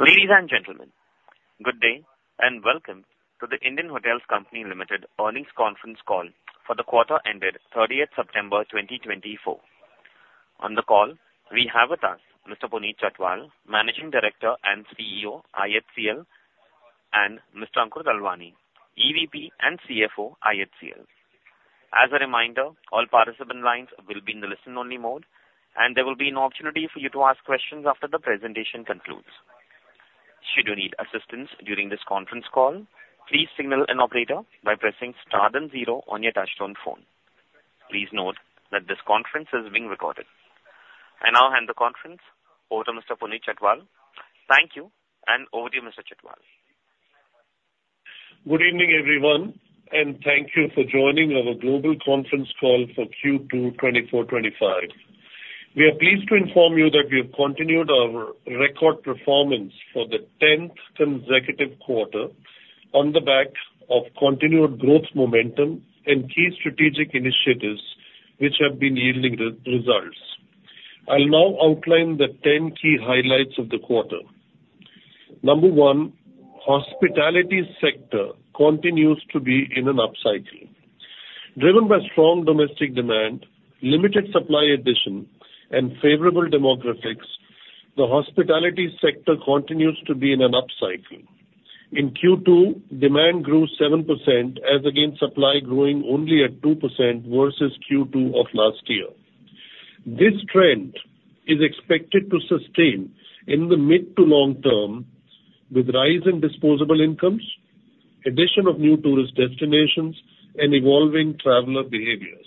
Ladies, and gentlemen, good day and welcome to the Indian Hotels Company Limited Earnings Conference Call for the Quarter-Ended 30th September 2024. On the call, we have with us Mr. Puneet Chhatwal, Managing Director and CEO IHCL, and Mr. Ankur Dalwani, EVP and CFO IHCL. As a reminder, all participant lines will be in the listen-only mode, and there will be an opportunity for you to ask questions after the presentation concludes. Should you need assistance during this conference call, please signal an operator by pressing star then zero on your touch-tone phone. Please note that this conference is being recorded. I now hand the conference over to Mr. Puneet Chhatwal. Thank you, and over to you, Mr. Chhatwal. Good evening, everyone, and thank you for joining our global conference call for Q2 FY 2025. We are pleased to inform you that we have continued our record performance for the 10th consecutive quarter on the back of continued growth momentum and key strategic initiatives which have been yielding results. I'll now outline the 10 key highlights of the quarter. Number one, hospitality sector continues to be in an up cycle. Driven by strong domestic demand, limited supply addition, and favorable demographics, the hospitality sector continues to be in an up cycle. In Q2, demand grew 7%, and supply growing only at 2% versus Q2 of last year. This trend is expected to sustain in the mid to long term with rise in disposable incomes, addition of new tourist destinations, and evolving traveler behaviors.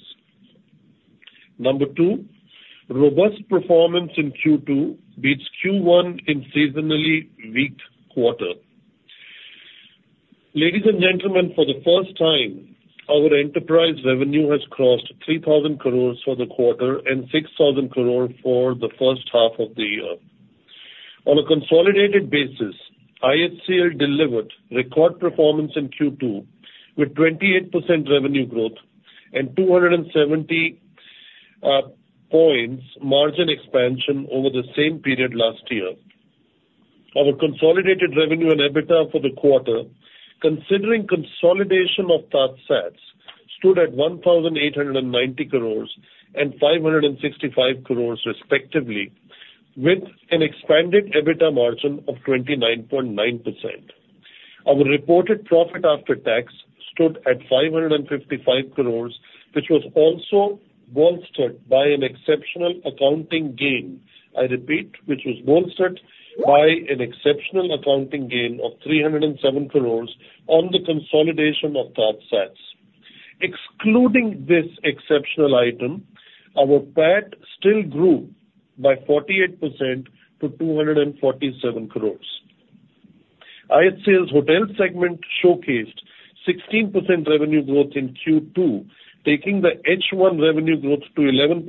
Number two, robust performance in Q2 beats Q1 in seasonally weak quarter. Ladies and gentlemen, for the first time, our enterprise revenue has crossed 3,000 crores for the quarter and 6,000 crores for the first half of the year. On a consolidated basis, IHCL delivered record performance in Q2 with 28% revenue growth and 270 points margin expansion over the same period last year. Our consolidated revenue and EBITDA for the quarter, considering consolidation of TajSATS, stood at 1,890 crores and 565 crores respectively, with an expanded EBITDA margin of 29.9%. Our reported profit after tax stood at 555 crores, which was also bolstered by an exceptional accounting gain. I repeat, which was bolstered by an exceptional accounting gain of 307 crores on the consolidation of TajSATS. Excluding this exceptional item, our PAT still grew by 48% to 247 crores. IHCL's hotel segment showcased 16% revenue growth in Q2, taking the H1 revenue growth to 11%,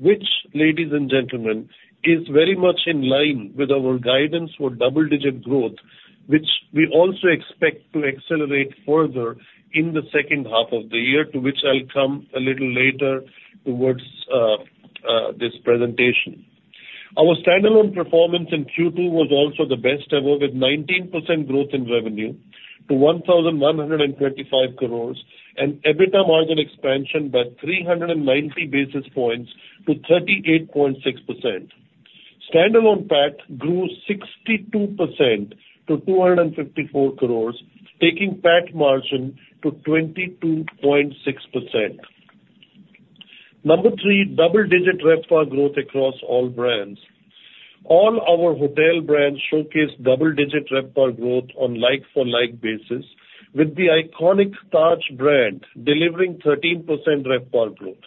which, ladies and gentlemen, is very much in line with our guidance for double-digit growth, which we also expect to accelerate further in the second half of the year, to which I'll come a little later towards this presentation. Our standalone performance in Q2 was also the best ever, with 19% growth in revenue to 1,125 crores and EBITDA margin expansion by 390 basis points to 38.6%. Standalone PAT grew 62% to 254 crores, taking PAT margin to 22.6%. Number three, double-digit revenue growth across all brands. All our hotel brands showcased double-digit revenue growth on like-for-like basis, with the iconic Taj brand delivering 13% revenue growth.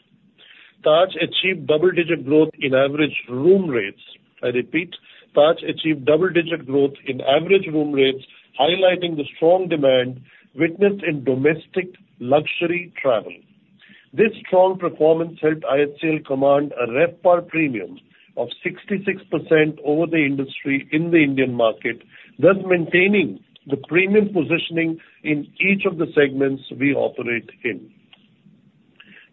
Taj achieved double-digit growth in average room rates. I repeat, Taj achieved double-digit growth in average room rates, highlighting the strong demand witnessed in domestic luxury travel. This strong performance helped IHCL command a revenue premium of 66% over the industry in the Indian market, thus maintaining the premium positioning in each of the segments we operate in.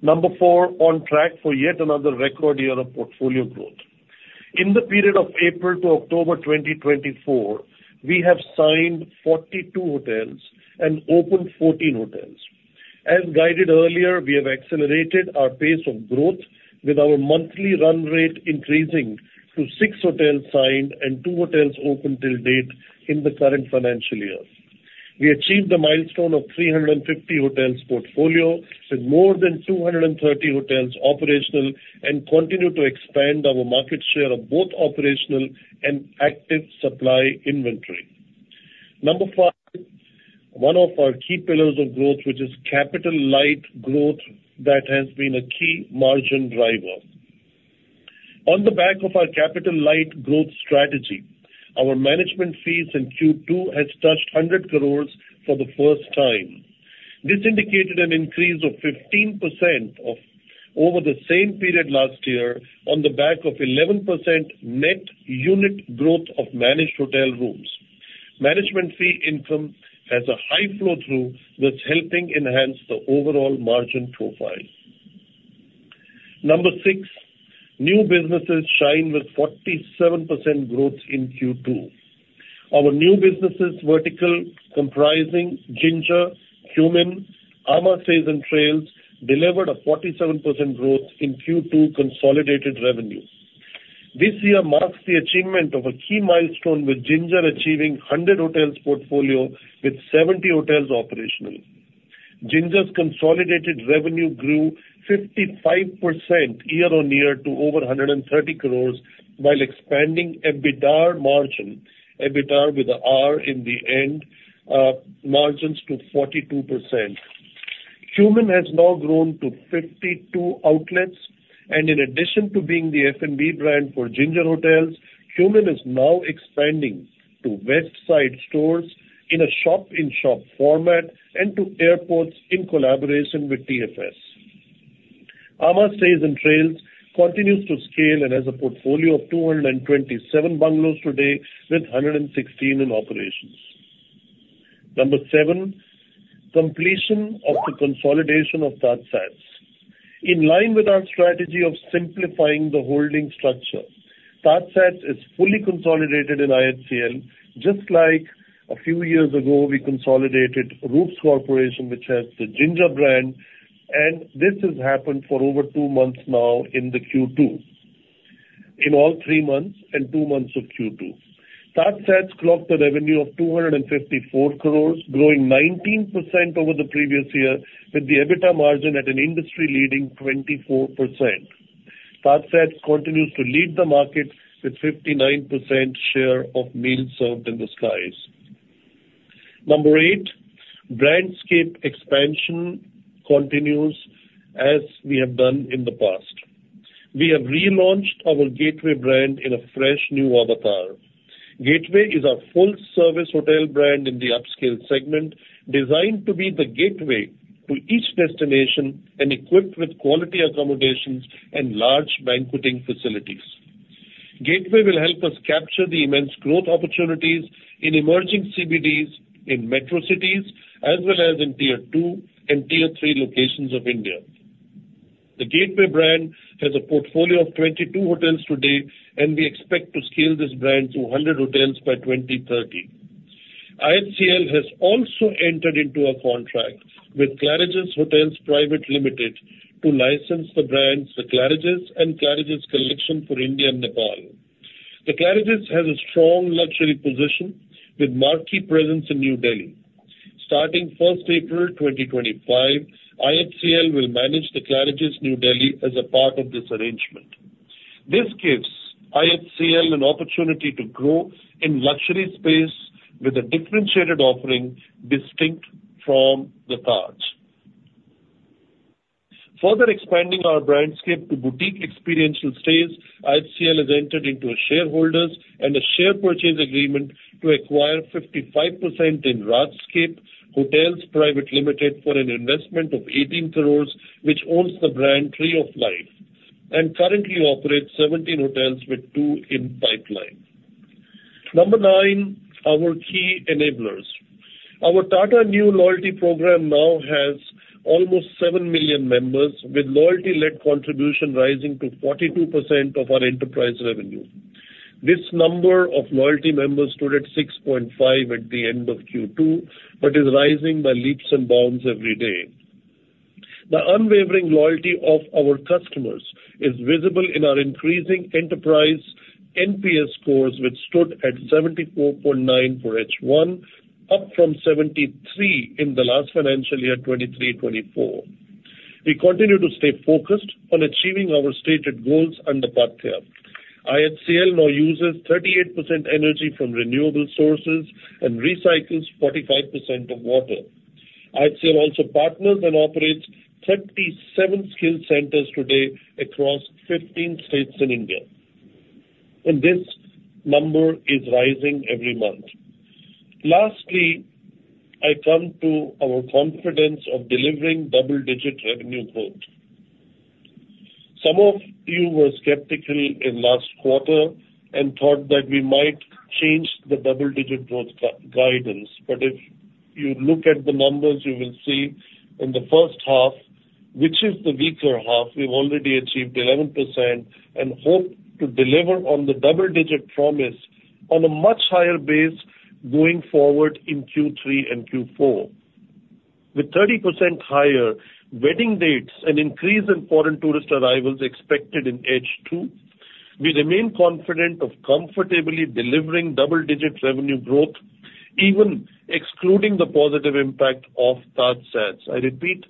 Number four, on track for yet another record year of portfolio growth. In the period of April to October 2024, we have signed 42 hotels and opened 14 hotels. As guided earlier, we have accelerated our pace of growth, with our monthly run rate increasing to six hotels signed and two hotels opened till date in the current financial year. We achieved the milestone of 350 hotels portfolio, with more than 230 hotels operational, and continue to expand our market share of both operational and active supply inventory. Number five, one of our key pillars of growth, which is Capital Light growth that has been a key margin driver. On the back of our Capital Light growth strategy, our management fees in Q2 have touched 100 crores for the first time. This indicated an increase of 15% over the same period last year on the back of 11% net unit growth of managed hotel rooms. Management fee income has a high flow-through, thus helping enhance the overall margin profile. Number six, new businesses shine with 47% growth in Q2. Our new businesses vertical comprising Ginger, Qmin, amã Stays & Trails delivered a 47% growth in Q2 consolidated revenue. This year marks the achievement of a key milestone, with Ginger achieving 100 hotels portfolio with 70 hotels operational. Ginger's consolidated revenue grew 55% year-on-year to over 130 crores, while expanding EBITDA margin, EBITDA with the R in the end, margins to 42%. Qmin has now grown to 52 outlets, and in addition to being the F&B brand for Ginger Hotels, Qmin is now expanding to Westside stores in a shop-in-shop format and to airports in collaboration with TFS. Amã Stays & Trails continues to scale and has a portfolio of 227 bungalows today, with 116 in operations. Number seven, completion of the consolidation of TajSATS. In line with our strategy of simplifying the holding structure, TajSATS is fully consolidated in IHCL, just like a few years ago we consolidated Roots Corporation, which has the Ginger brand, and this has happened for over two months now in the Q2, in all three months and two months of Q2. TajSATS clocked a revenue of 254 crores, growing 19% over the previous year, with the EBITDA margin at an industry-leading 24%. TajSATS continues to lead the market with 59% share of meals served in the skies. Number eight, brandscape expansion continues as we have done in the past. We have relaunched our Gateway brand in a fresh new avatar. Gateway is our full-service hotel brand in the upscale segment, designed to be the gateway to each destination and equipped with quality accommodations and large banqueting facilities. Gateway will help us capture the immense growth opportunities in emerging CBDs in metro cities, as well as in tier two and tier three locations of India. The Gateway brand has a portfolio of 22 hotels today, and we expect to scale this brand to 100 hotels by 2030. IHCL has also entered into a contract with Claridges Hotels Private Limited to license the brands Claridges and Claridges Collection for India and Nepal. The Claridges has a strong luxury position with marquee presence in New Delhi. Starting 1st April 2025, IHCL will manage the Claridges New Delhi as a part of this arrangement. This gives IHCL an opportunity to grow in luxury space with a differentiated offering distinct from the Taj's. Further expanding our brandscape to boutique experiential stays, IHCL has entered into a shareholders' and a share purchase agreement to acquire 55% in Rajscape Hotels Private Limited for an investment of 18 crores, which owns the brand Tree of Life and currently operates 17 hotels with two in pipeline. Number nine, our key enablers. Our Tata Neu Loyalty Program now has almost seven million members, with loyalty-led contribution rising to 42% of our enterprise revenue. This number of loyalty members stood at 6.5 at the end of Q2, but is rising by leaps and bounds every day. The unwavering loyalty of our customers is visible in our increasing enterprise NPS scores, which stood at 74.9 for H1, up from 73 in the last financial year 2023-2024. We continue to stay focused on achieving our stated goals under Paathya. IHCL now uses 38% energy from renewable sources and recycles 45% of water. IHCL also partners and operates 37 skill centers today across 15 states in India, and this number is rising every month. Lastly, I come to our confidence of delivering double-digit revenue growth. Some of you were skeptical in last quarter and thought that we might change the double-digit growth guidance, but if you look at the numbers, you will see in the first half, which is the weaker half, we've already achieved 11% and hope to deliver on the double-digit promise on a much higher base going forward in Q3 and Q4. With 30% higher wedding dates and increase in foreign tourist arrivals expected in H2, we remain confident of comfortably delivering double-digit revenue growth, even excluding the positive impact of TajSATS. I repeat,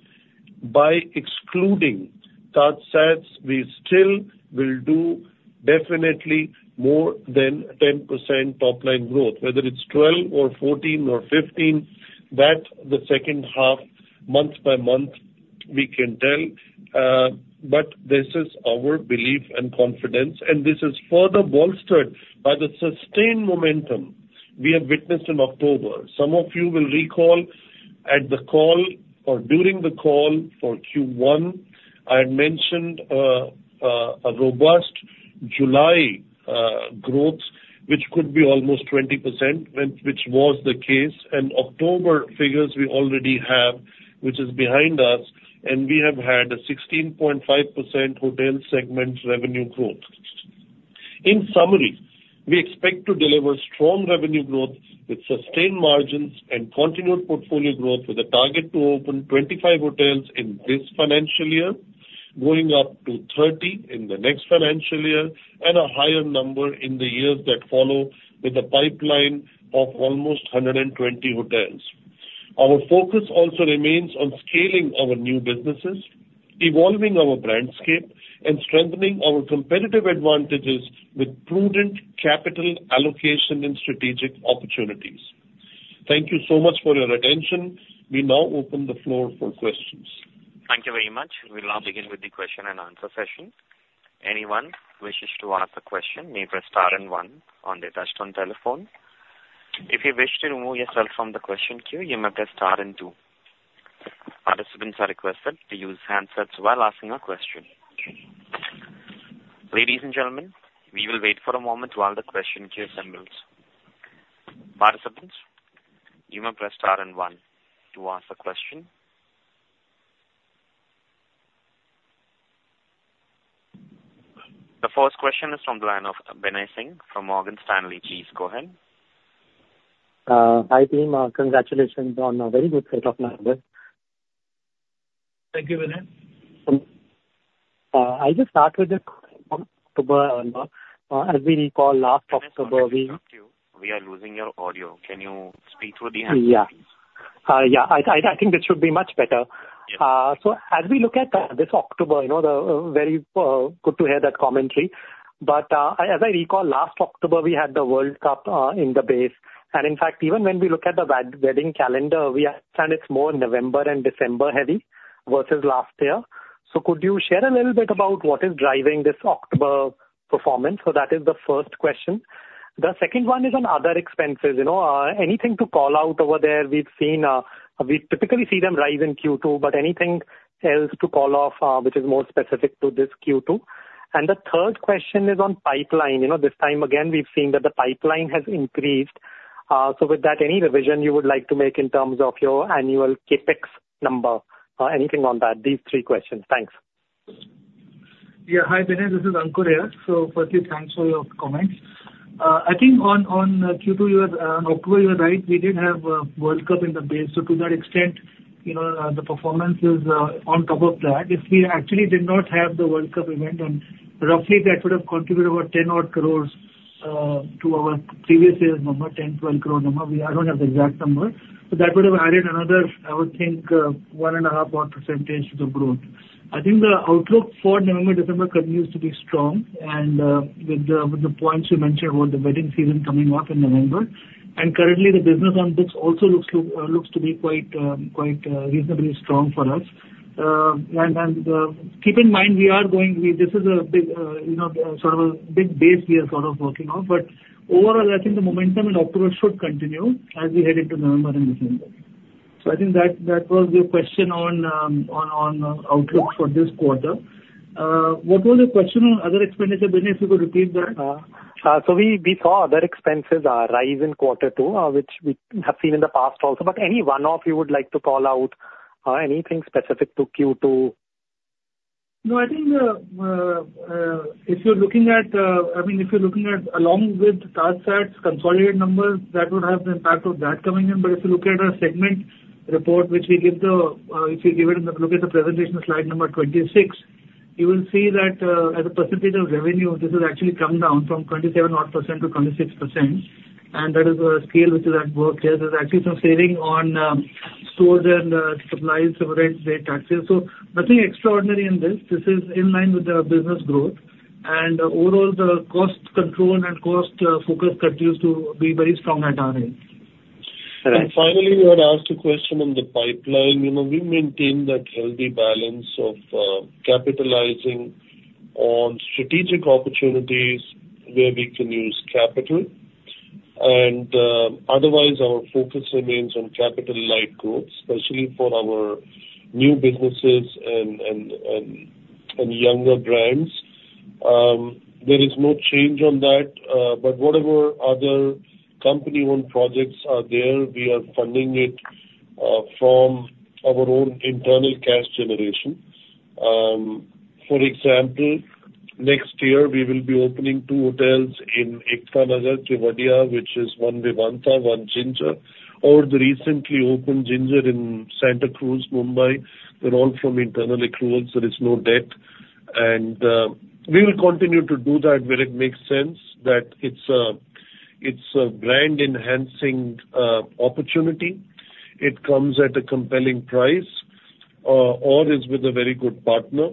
by excluding TajSATS, we still will do definitely more than 10% top-line growth, whether it's 12% or 14% or 15%, that the second half month by month we can tell, but this is our belief and confidence, and this is further bolstered by the sustained momentum we have witnessed in October. Some of you will recall at the call or during the call for Q1, I had mentioned a robust July growth, which could be almost 20%, which was the case, and October figures we already have, which is behind us, and we have had a 16.5% hotel segment revenue growth. In summary, we expect to deliver strong revenue growth with sustained margins and continued portfolio growth, with a target to open 25 hotels in this financial year, going up to 30 in the next financial year, and a higher number in the years that follow with a pipeline of almost 120 hotels. Our focus also remains on scaling our new businesses, evolving our brandscape, and strengthening our competitive advantages with prudent capital allocation and strategic opportunities. Thank you so much for your attention. We now open the floor for questions. Thank you very much. We'll now begin with the question and answer session. Anyone wishes to ask a question may press star and one on the touch-tone telephone. If you wish to remove yourself from the question queue, you may press star and two. Participants are requested to use handsets while asking a question. Ladies and gentlemen, we will wait for a moment while the question queue assembles. Participants, you may press star and one to ask a question. The first question is from the line of Binay Singh from Morgan Stanley. Please go ahead. Hi team, congratulations on a very good set of numbers. Thank you, Binay. I just started this October, as we recall, last October. We are losing your audio. Can you speak through the handset, please? Yeah. Yeah. I think this should be much better. So as we look at this October, very good to hear that commentary, but as I recall, last October, we had the World Cup in the base. And in fact, even when we look at the wedding calendar, we understand it's more November and December heavy versus last year. So could you share a little bit about what is driving this October performance? So that is the first question. The second one is on other expenses. Anything to call out over there? We typically see them rise in Q2, but anything else to call off which is more specific to this Q2? And the third question is on pipeline. This time, again, we've seen that the pipeline has increased. So with that, any revision you would like to make in terms of your annual CapEx number? Anything on that? These three questions. Thanks. Yeah. Hi, Binay. This is Ankur Dalwani. So firstly, thanks for your comments. I think on Q2, you were on October, you were right. We did have a World Cup in the base. So to that extent, the performance is on top of that. If we actually did not have the World Cup event, and roughly that would have contributed about 10-odd crores to our previous year's number, 10 crore-12 crore number. I don't have the exact number. So that would have added another, I would think, 1.5-odd% to the growth. I think the outlook for November, December continues to be strong, and with the points you mentioned about the wedding season coming up in November, and currently, the business on books also looks to be quite reasonably strong for us. Keep in mind, we are going this is sort of a big base we are sort of working off, but overall, I think the momentum in October should continue as we head into November and December. I think that was your question on outlook for this quarter. What was your question on other expenditure, Binay? If you could repeat that. So we saw other expenses rise in quarter two, which we have seen in the past also, but any one-off you would like to call out? Anything specific to Q2? No, I think if you're looking at, I mean, if you're looking at along with TajSATS consolidated numbers, that would have the impact of that coming in. But if you look at our segment report, which we give, if you look at the presentation slide number 26, you will see that as a percentage of revenue, this has actually come down from 27 odd % to 26%, and that is a scale which is at work. There's actually some saving on stores and supplies for TajSATS. So nothing extraordinary in this. This is in line with the business growth, and overall, the cost control and cost focus continues to be very strong at our end. And finally, I'd ask a question on the pipeline. We maintain that healthy balance of capitalizing on strategic opportunities where we can use capital, and otherwise, our focus remains on capital light growth, especially for our new businesses and younger brands. There is no change on that, but whatever other company-owned projects are there, we are funding it from our own internal cash generation. For example, next year, we will be opening two hotels in Ekta Nagar, Kevadia, which is one Vivanta, one Ginger, or the recently opened Ginger in Santacruz, Mumbai. They're all from internal accruals. There is no debt, and we will continue to do that where it makes sense that it's a brand-enhancing opportunity. It comes at a compelling price or is with a very good partner,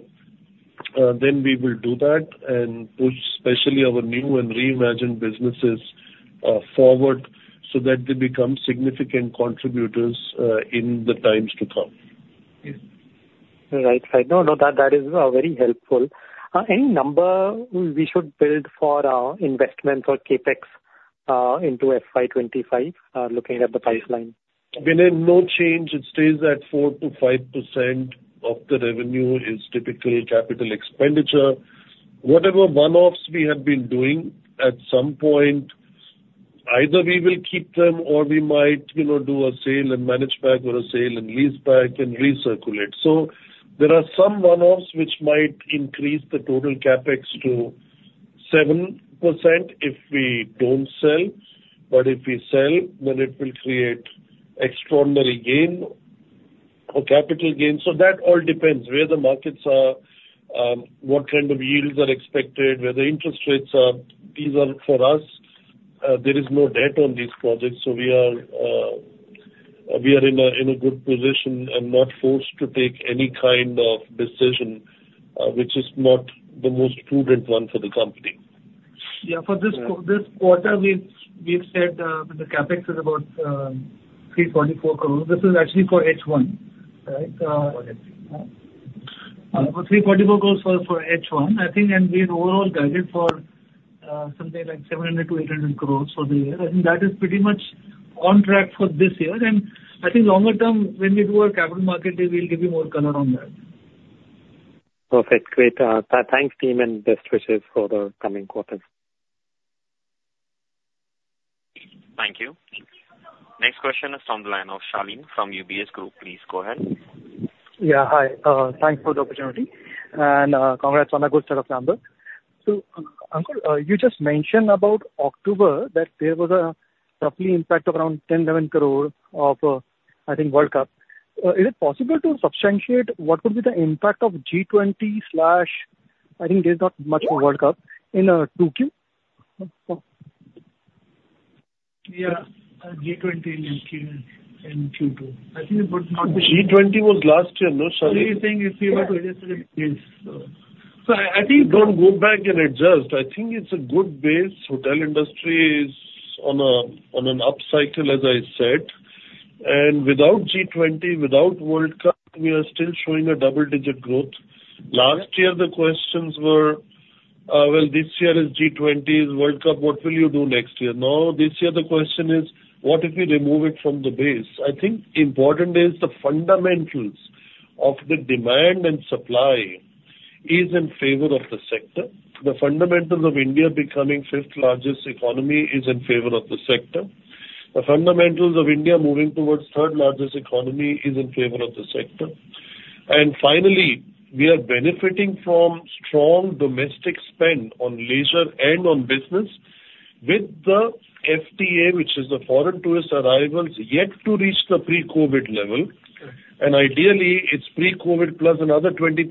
then we will do that and push, especially our new and reimagined businesses, forward so that they become significant contributors in the times to come. Right. Right. No, no, that is very helpful. Any number we should build for our investment for CapEx into FY 2025, looking at the pipeline? Binay, no change. It stays at 4%-5% of the revenue is typically capital expenditure. Whatever one-offs we have been doing, at some point, either we will keep them or we might do a sale and manage back or a sale and lease back and recirculate. So there are some one-offs which might increase the total CapEx to 7% if we don't sell, but if we sell, then it will create extraordinary gain or capital gain. So that all depends where the markets are, what kind of yields are expected, where the interest rates are. These are for us. There is no debt on these projects, so we are in a good position and not forced to take any kind of decision, which is not the most prudent one for the company. Yeah. For this quarter, we've said the CapEx is about 344 crores. This is actually for H1, right? 344 crores for H1, I think, and we're overall guided for something like 700 crores-800 crores for the year. I think that is pretty much on track for this year, and I think longer term, when we do our Capital Market Day, we'll give you more color on that. Perfect. Great. Thanks, team, and best wishes for the coming quarter. Thank you. Next question is from the line of Shalini from UBS Group. Please go ahead. Yeah. Hi. Thanks for the opportunity, and congrats on a good set of numbers. So, Ankur, you just mentioned about October that there was roughly an impact of around 10 crore-11 crore from, I think, World Cup. Is it possible to substantiate what would be the impact of G20? I think there's not much World Cup in 2Q. Yeah. G20 in Q2. I think it would not be. G20 was last year. No, sorry. So you're saying if you were to adjust it. Yes. So I think don't go back and adjust. I think it's a good base. Hotel industry is on an up cycle, as I said, and without G20, without World Cup, we are still showing a double-digit growth. Last year, the questions were, "Well, this year is G20, World Cup. What will you do next year?" Now, this year, the question is, "What if we remove it from the base?" I think important is the fundamentals of the demand and supply is in favor of the sector. The fundamentals of India becoming fifth largest economy is in favor of the sector. The fundamentals of India moving towards third largest economy is in favor of the sector. And finally, we are benefiting from strong domestic spend on leisure and on business with the FTA, which is the foreign tourist arrivals, yet to reach the pre-COVID level, and ideally, it's pre-COVID plus another 20%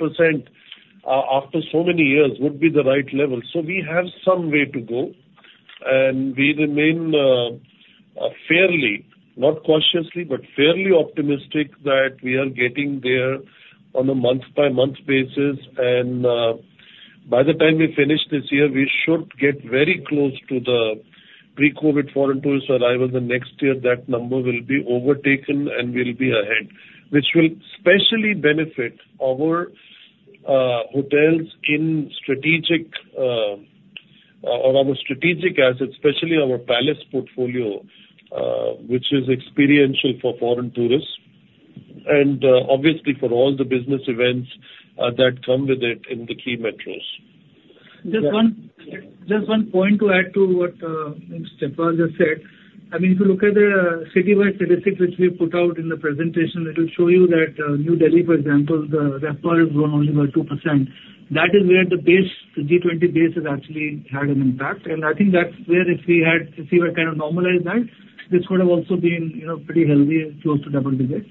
after so many years, would be the right level. So we have some way to go, and we remain fairly, not cautiously, but fairly optimistic that we are getting there on a month-by-month basis, and by the time we finish this year, we should get very close to the pre-COVID foreign tourist arrivals, and next year, that number will be overtaken and we'll be ahead, which will especially benefit our hotels in strategic or our strategic assets, especially our palace portfolio, which is experiential for foreign tourists and obviously for all the business events that come with it in the key metros. Just one point to add to what Puneet just said. I mean, if you look at the citywide statistics which we put out in the presentation, it will show you that New Delhi, for example, the RevPAR is grown only by 2%. That is where the base, the G20 base has actually had an impact, and I think that's where if we had kind of normalized that, this would have also been pretty healthy, close to double-digit,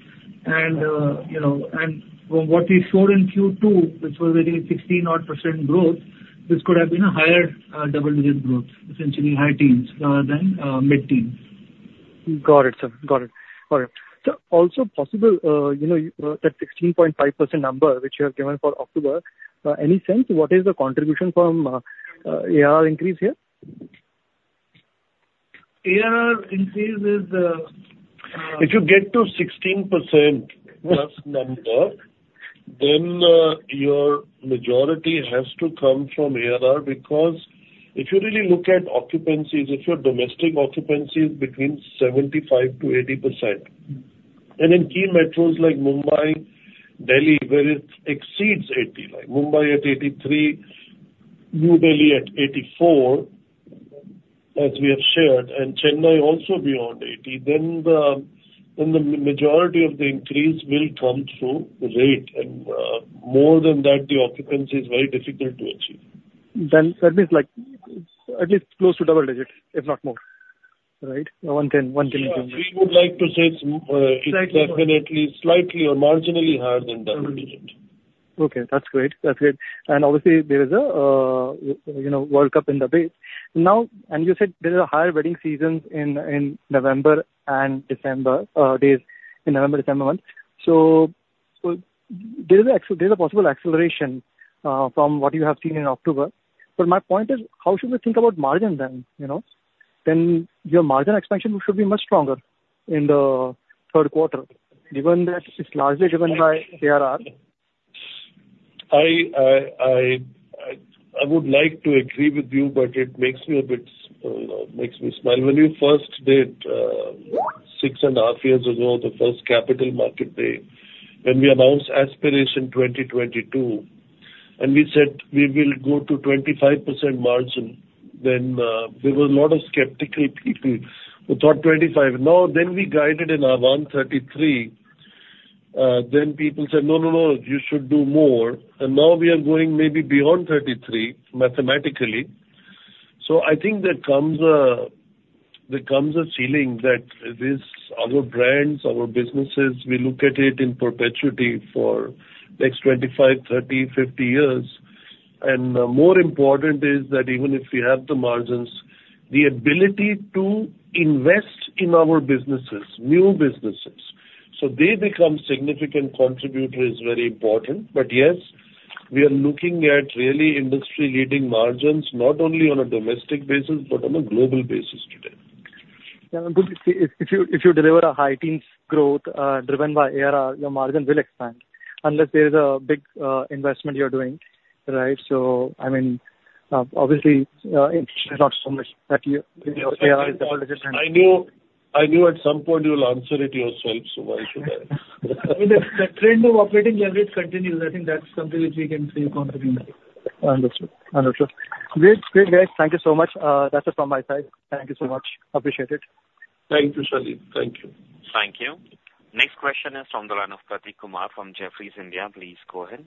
and from what we showed in Q2, which was a 16-odd% growth, this could have been a higher double-digit growth, essentially high teens rather than mid-teens. Got it, sir. Got it. Got it. So, also possible that 16.5% number which you have given for October, any sense what is the contribution from ARR increase here? ARR increase is the. If you get to 16%+ number, then your majority has to come from ARR because if you really look at occupancies, if your domestic occupancy is between 75%-80%, and in key metros like Mumbai, Delhi, where it exceeds 80, like Mumbai at 83, New Delhi at 84, as we have shared, and Chennai also beyond 80, then the majority of the increase will come through rate, and more than that, the occupancy is very difficult to achieve. Then that means at least close to double-digit, if not more, right? 110, 110 in June. We would like to say it's definitely slightly or marginally higher than double-digit. Okay. That's great. That's great. And obviously, there is a World Cup in the base. Now, and you said there are higher wedding seasons in November and December days in November, December month. So there is a possible acceleration from what you have seen in October, but my point is, how should we think about margin then? Then your margin expansion should be much stronger in the third quarter, given that it's largely driven by ARR. I would like to agree with you, but it makes me smile a bit. When you first did six and a half years ago, the first Capital Market Day, when we announced Aspiration 2022, and we said we will go to 25% margin, then there were a lot of skeptical people who thought 25%. Now, then we guided in Ahvaan 2025, then people said, "No, no, no, you should do more." And now we are going maybe beyond 33% mathematically. So I think there comes a feeling that these other brands, our businesses, we look at it in perpetuity for the next 25, 30, 50 years. And more important is that even if we have the margins, the ability to invest in our businesses, new businesses, so they become significant contributors is very important. But yes, we are looking at really industry-leading margins, not only on a domestic basis, but on a global basis today. Yeah. If you deliver a high teens growth driven by ARR, your margin will expand unless there is a big investment you're doing, right? So I mean, obviously, it's not so much that your ARR is double-digit and. I knew at some point you will answer it yourself, so why should I? I mean, the trend of operating leverage continues. I think that's something which we can see continuing. Understood. Understood. Great. Great, guys. Thank you so much. That's it from my side. Thank you so much. Appreciate it. Thank you, Shalini. Thank you. Thank you. Next question is from the line of Prateek Kumar from Jefferies India. Please go ahead.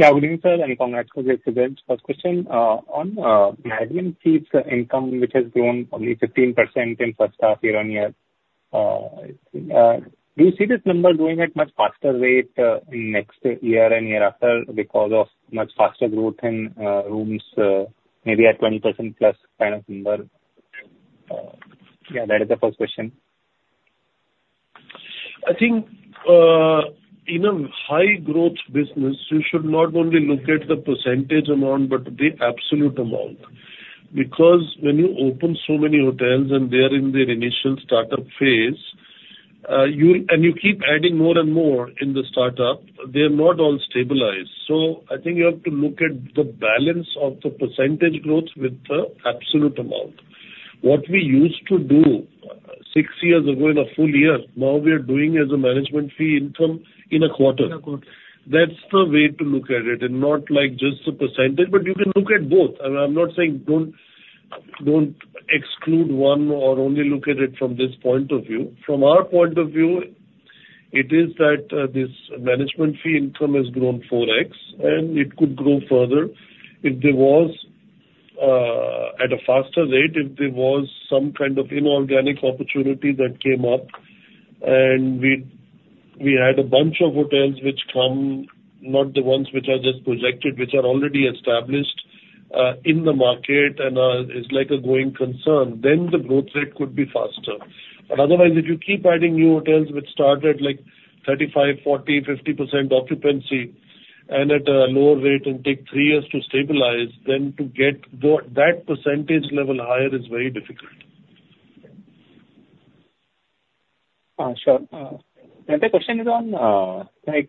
Yeah. Good evening, sir, and congrats for the excellent first question on management fees income, which has grown only 15% in first half year-on-year. Do you see this number going at much faster rate next year and year after because of much faster growth in rooms, maybe at 20%+ kind of number? Yeah, that is the first question. I think in a high-growth business, you should not only look at the percentage amount, but the absolute amount, because when you open so many hotels and they are in their initial startup phase, and you keep adding more and more in the startup, they are not all stabilized. So I think you have to look at the balance of the percentage growth with the absolute amount. What we used to do six years ago in a full year, now we are doing as a management fee income in a quarter. That's the way to look at it, and not just the percentage, but you can look at both. I'm not saying don't exclude one or only look at it from this point of view. From our point of view, it is that this management fee income has grown 4X, and it could grow further if there was at a faster rate, if there was some kind of inorganic opportunity that came up. And we had a bunch of hotels which come, not the ones which are just projected, which are already established in the market, and it's like a going concern, then the growth rate could be faster. But otherwise, if you keep adding new hotels which start at like 35%, 40%, 50% occupancy and at a lower rate and take three years to stabilize, then to get that percentage level higher is very difficult. Sure. Another question is on, say,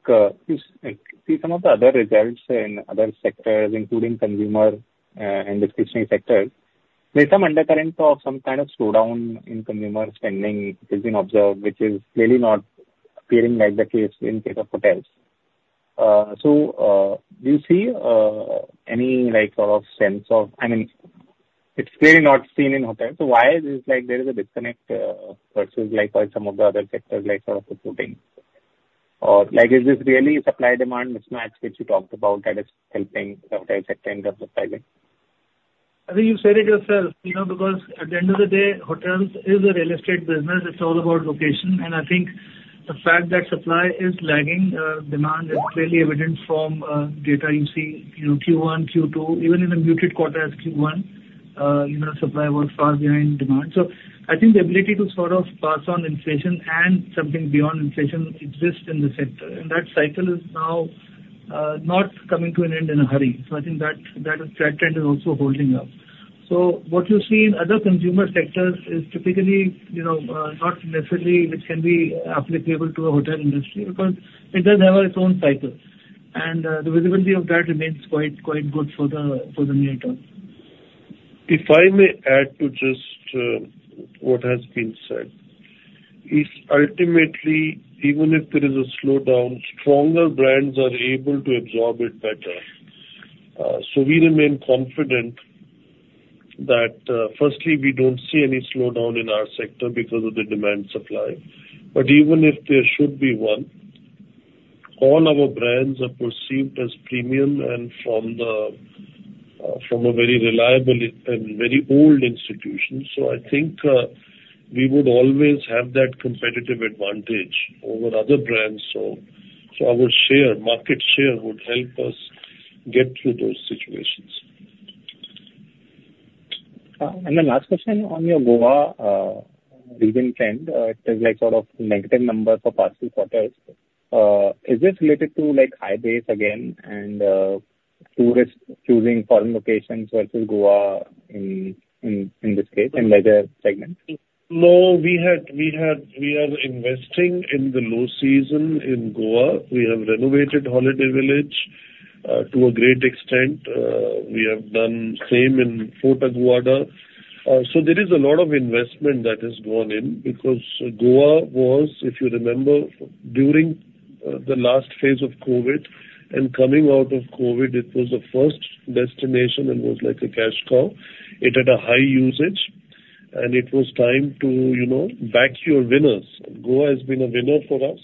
some of the other results in other sectors, including consumer and distribution sectors. There's some undercurrent of some kind of slowdown in consumer spending which has been observed, which is clearly not appearing like the case in the case of hotels. So do you see any sort of sense of? I mean, it's clearly not seen in hotels. So why is it like there is a disconnect versus some of the other sectors like sort of supporting? Or is this really supply-demand mismatch which you talked about that is helping the hotel sector in terms of pricing? I think you said it yourself because at the end of the day, hotels is a real estate business. It's all about location and I think the fact that supply is lagging, demand is clearly evident from data you see Q1, Q2, even in a muted quarter as Q1, supply was far behind demand, so I think the ability to sort of pass on inflation and something beyond inflation exists in the sector, and that cycle is now not coming to an end in a hurry, so I think that trend is also holding up, so what you see in other consumer sectors is typically not necessarily which can be applicable to a hotel industry because it does have its own cycle, and the visibility of that remains quite good for the near term. If I may add to just what has been said, if ultimately, even if there is a slowdown, stronger brands are able to absorb it better. So we remain confident that firstly, we don't see any slowdown in our sector because of the demand-supply. But even if there should be one, all our brands are perceived as premium and from a very reliable and very old institution. So I think we would always have that competitive advantage over other brands. So our market share would help us get through those situations. And the last question on your Goa region trend, it is like sort of negative number for past two quarters. Is this related to high base again and tourists choosing foreign locations versus Goa in this case and leisure segment? No, we are investing in the low season in Goa. We have renovated Holiday Village to a great extent. We have done the same in Fort Aguada. So there is a lot of investment that has gone in because Goa was, if you remember, during the last phase of COVID and coming out of COVID, it was the first destination and was like a cash cow. It had a high usage, and it was time to back your winners. Goa has been a winner for us.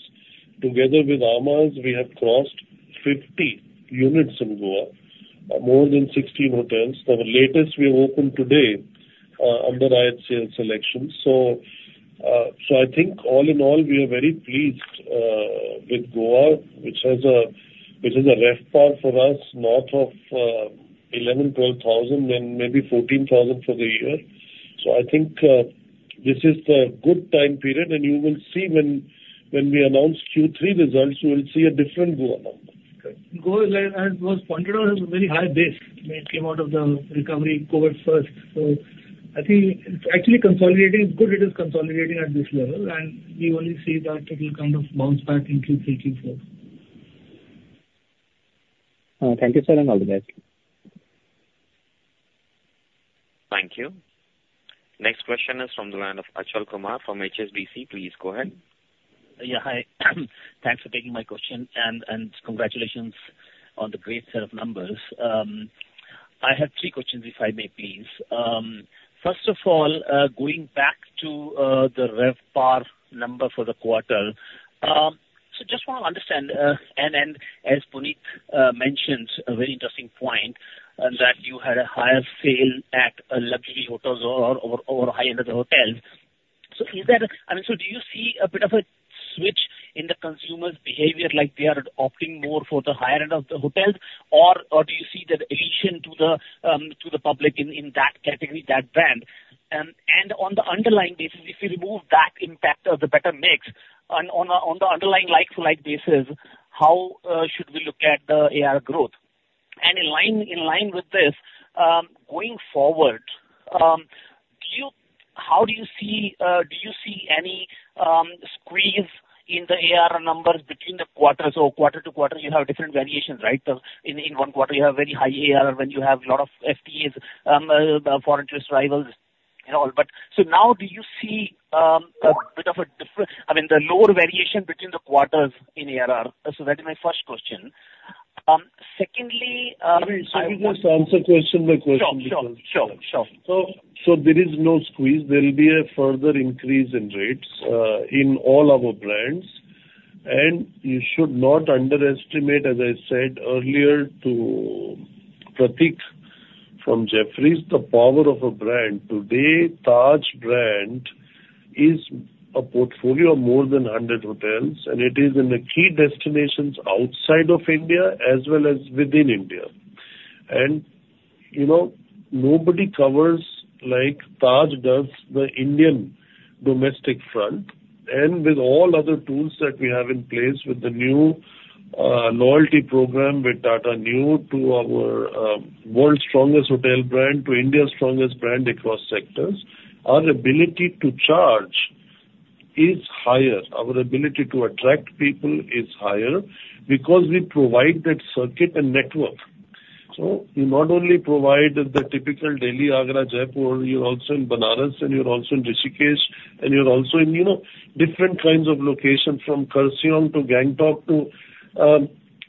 Together with amã Stays, we have crossed 50 units in Goa, more than 16 hotels. The latest we opened today under IHCL SeleQtions. So I think all in all, we are very pleased with Goa, which has a RevPAR for us north of 11,000-12,000 and maybe 14,000 for the year. So I think this is the good time period, and you will see when we announce Q3 results, you will see a different Goa number. Goa, as was pointed out, has a very high base. It came out of the recovery COVID first. So I think it's actually consolidating. It's good it is consolidating at this level, and we only see that it will kind of bounce back in Q3, Q4. Thank you, sir, and all the best. Thank you. Next question is from the line of Achal Kumar from HSBC. Please go ahead. Yeah. Hi. Thanks for taking my question, and congratulations on the great set of numbers. I have three questions, if I may, please. First of all, going back to the RevPAR number for the quarter, so just want to understand, and as Puneet mentioned, a very interesting point that you had a higher share at luxury hotels or high-end of the hotels. So is that a I mean, so do you see a bit of a switch in the consumer's behavior, like they are opting more for the higher end of the hotels, or do you see the allocation to the public in that category, that brand? And on the underlying basis, if you remove that impact of the better mix, on the underlying like-for-like basis, how should we look at the ARR growth? And in line with this, going forward, how do you see any squeeze in the ARR numbers between the quarters? So quarter-to-quarter, you have different variations, right? In one quarter, you have very high ARR when you have a lot of FTAs, foreign tourist arrivals, and all. But so now, do you see a bit of a, I mean, the lower variation between the quarters in ARR? So that is my first question. Secondly. I mean, so you just answered question by question because. Sure. Sure. Sure. So there is no squeeze. There will be a further increase in rates in all our brands, and you should not underestimate, as I said earlier to Prateek from Jefferies, the power of a brand. Today, Taj brand is a portfolio of more than 100 hotels, and it is in the key destinations outside of India as well as within India. And nobody covers like Taj does the Indian domestic front. And with all other tools that we have in place with the new loyalty program with Tata Neu to our world's strongest hotel brand, to India's strongest brand across sectors, our ability to charge is higher. Our ability to attract people is higher because we provide that circuit and network. So you not only provide the typical Delhi, Agra, Jaipur. You're also in Banaras, and you're also in Rishikesh, and you're also in different kinds of locations from Kurseong to Gangtok to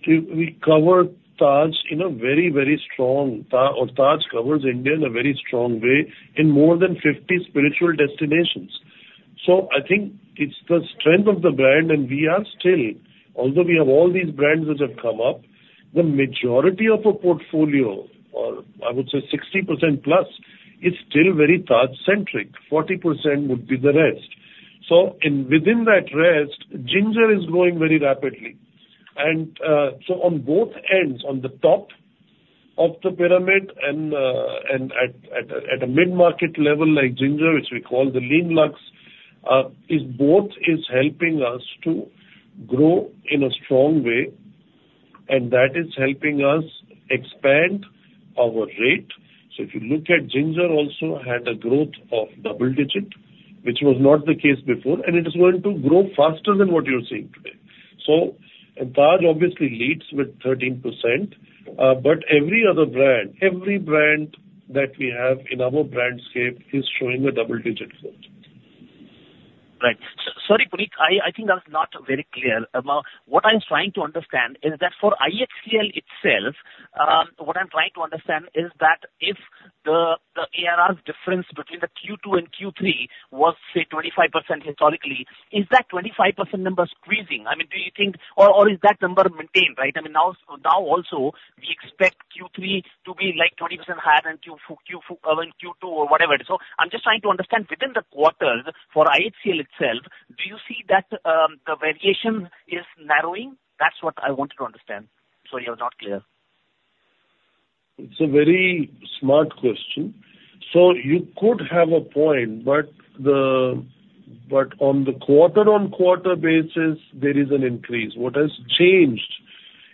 we cover Taj in a very, very strong or Taj covers India in a very strong way in more than 50 spiritual destinations. So I think it's the strength of the brand, and we are still, although we have all these brands which have come up, the majority of a portfolio, or I would say 60%+, is still very Taj-centric. 40% would be the rest. So within that rest, Ginger is growing very rapidly. And so on both ends, on the top of the pyramid and at a mid-market level like Ginger, which we call the lean luxe, both is helping us to grow in a strong way, and that is helping us expand our rate. So if you look at Ginger, also had a growth of double-digit, which was not the case before, and it is going to grow faster than what you're seeing today. So Taj obviously leads with 13%, but every other brand, every brand that we have in our brandscape is showing a double-digit growth. Right. Sorry, Puneet. I think I was not very clear. What I'm trying to understand is that for IHCL itself, what I'm trying to understand is that if the ARR difference between the Q2 and Q3 was, say, 25% historically, is that 25% number squeezing? I mean, do you think or is that number maintained, right? I mean, now also we expect Q3 to be like 20% higher than Q2 or whatever. So I'm just trying to understand within the quarter for IHCL itself, do you see that the variation is narrowing? That's what I wanted to understand. Sorry, I was not clear. It's a very smart question. So you could have a point, but on the quarter-on-quarter basis, there is an increase. What has changed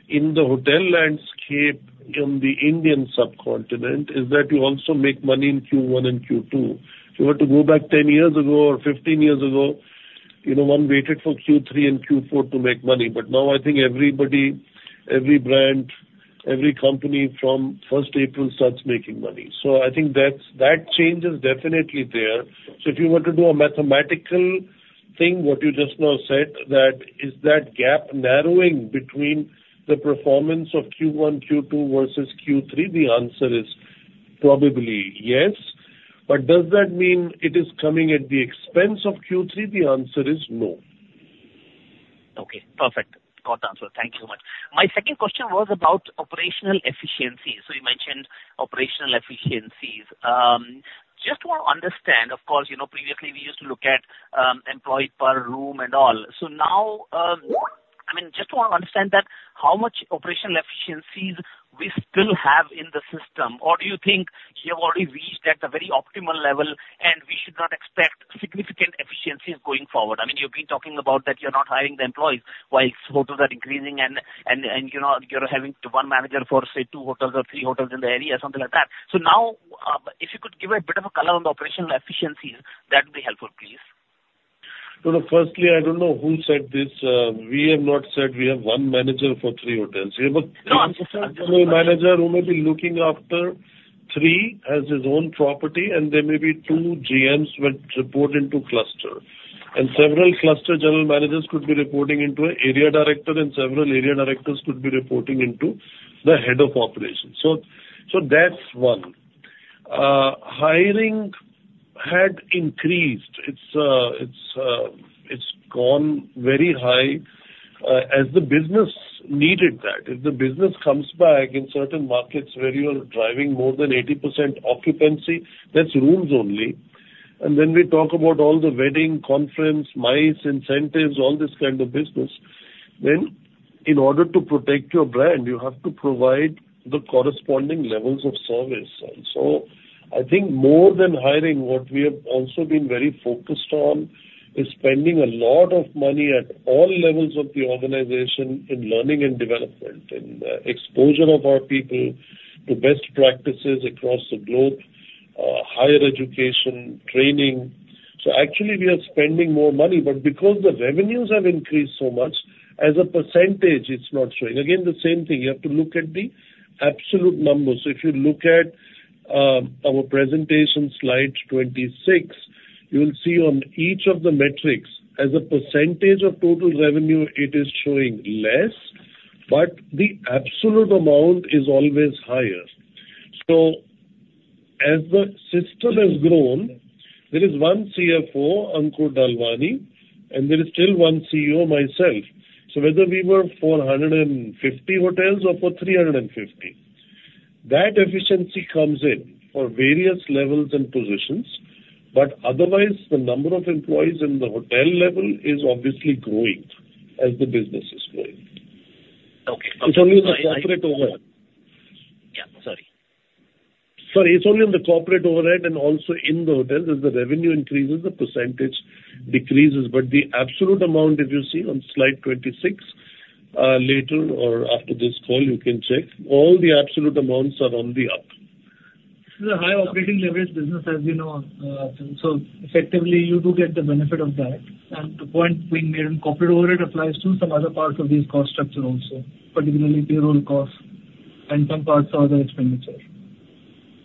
in the hotel landscape in the Indian subcontinent is that you also make money in Q1 and Q2. If you were to go back 10 years ago or 15 years ago, one waited for Q3 and Q4 to make money. But now I think everybody, every brand, every company from first April starts making money. So I think that change is definitely there. So if you were to do a mathematical thing, what you just now said, that is that gap narrowing between the performance of Q1, Q2 versus Q3, the answer is probably yes. But does that mean it is coming at the expense of Q3? The answer is no. Okay. Perfect. Got the answer. Thank you so much. My second question was about operational efficiencies. So you mentioned operational efficiencies. Just want to understand, of course, previously we used to look at employee per room and all. So now, I mean, just want to understand that how much operational efficiencies we still have in the system, or do you think you have already reached at the very optimal level and we should not expect significant efficiencies going forward? I mean, you've been talking about that you're not hiring the employees while hotels are increasing and you're having one manager for, say, two hotels or three hotels in the area, something like that. So now, if you could give a bit of a color on the operational efficiencies, that would be helpful, please. So firstly, I don't know who said this. We have not said we have one manager for three hotels. You have a general manager who may be looking after three as his own property, and there may be two GMs which report into cluster. And several cluster general managers could be reporting into an area director, and several area directors could be reporting into the head of operations. So that's one. Hiring had increased. It's gone very high as the business needed that. If the business comes back in certain markets where you are driving more than 80% occupancy, that's rooms only. And then we talk about all the wedding, conference, MICE, incentives, all this kind of business. Then in order to protect your brand, you have to provide the corresponding levels of service. And so I think more than hiring, what we have also been very focused on is spending a lot of money at all levels of the organization in learning and development, in the exposure of our people to best practices across the globe, higher education, training. So actually, we are spending more money, but because the revenues have increased so much, as a percentage, it's not showing. Again, the same thing. You have to look at the absolute numbers. So if you look at our presentation slide 26, you will see on each of the metrics, as a percentage of total revenue, it is showing less, but the absolute amount is always higher. So as the system has grown, there is one CFO, Ankur Dalwani, and there is still one CEO, myself. So whether we were for 150 hotels or for 350, that efficiency comes in for various levels and positions. But otherwise, the number of employees in the hotel level is obviously growing as the business is growing. Okay. Okay. It's only in the corporate overhead. Yeah. Sorry. Sorry. It's only in the corporate overhead and also in the hotels. As the revenue increases, the percentage decreases. But the absolute amount, if you see on slide 26, later or after this call, you can check, all the absolute amounts are on the up. This is a high operating leverage business as we know. So effectively, you do get the benefit of that. And the point being made on corporate overhead applies to some other parts of these cost structures also, particularly payroll costs and some parts of other expenditures.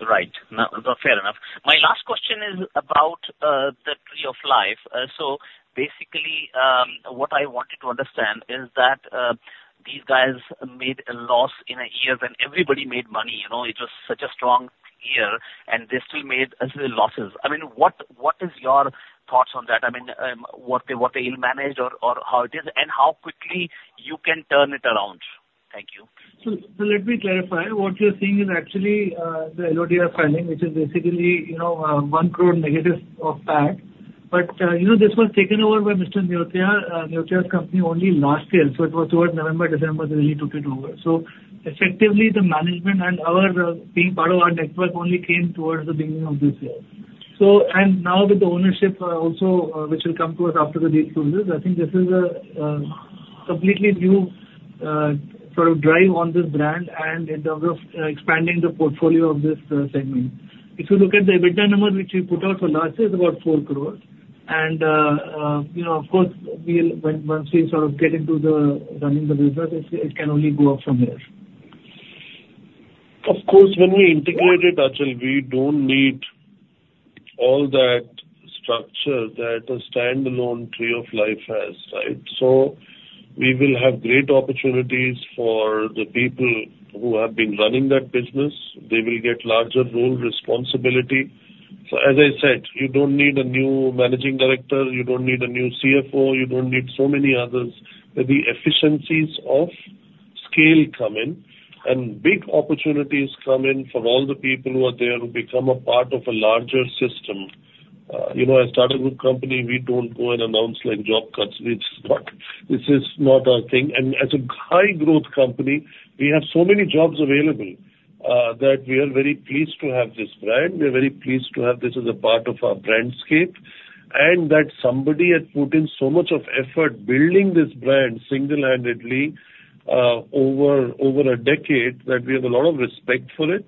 Right. That's not fair enough. My last question is about the Tree of Life. So basically, what I wanted to understand is that these guys made a loss in a year when everybody made money. It was such a strong year, and they still made losses. I mean, what is your thoughts on that? I mean, what they managed or how it is and how quickly you can turn it around? Thank you. So let me clarify. What you're seeing is actually the LRD funding, which is basically 1 crore negative of PAT. But this was taken over by Mr. Neotia. Neotia's company only last year. So it was towards November, December that he took it over. So effectively, the management and our being part of our network only came towards the beginning of this year. And now with the ownership also, which will come to us after the deal closes, I think this is a completely new sort of drive on this brand and in terms of expanding the portfolio of this segment. If you look at the EBITDA numbers, which we put out for last year, it's about 4 crore. And of course, once we sort of get into running the business, it can only go up from there. Of course, when we integrate it, Achal, we don't need all that structure that a standalone Tree of Life has, right? So we will have great opportunities for the people who have been running that business. They will get larger role responsibility. So as I said, you don't need a new Managing Director. You don't need a new CFO. You don't need so many others. The efficiencies of scale come in, and big opportunities come in for all the people who are there who become a part of a larger system. As a startup company, we don't go and announce job cuts. This is not our thing. And as a high-growth company, we have so many jobs available that we are very pleased to have this brand. We are very pleased to have this as a part of our brand scape. That somebody had put in so much effort building this brand single-handedly over a decade, that we have a lot of respect for it.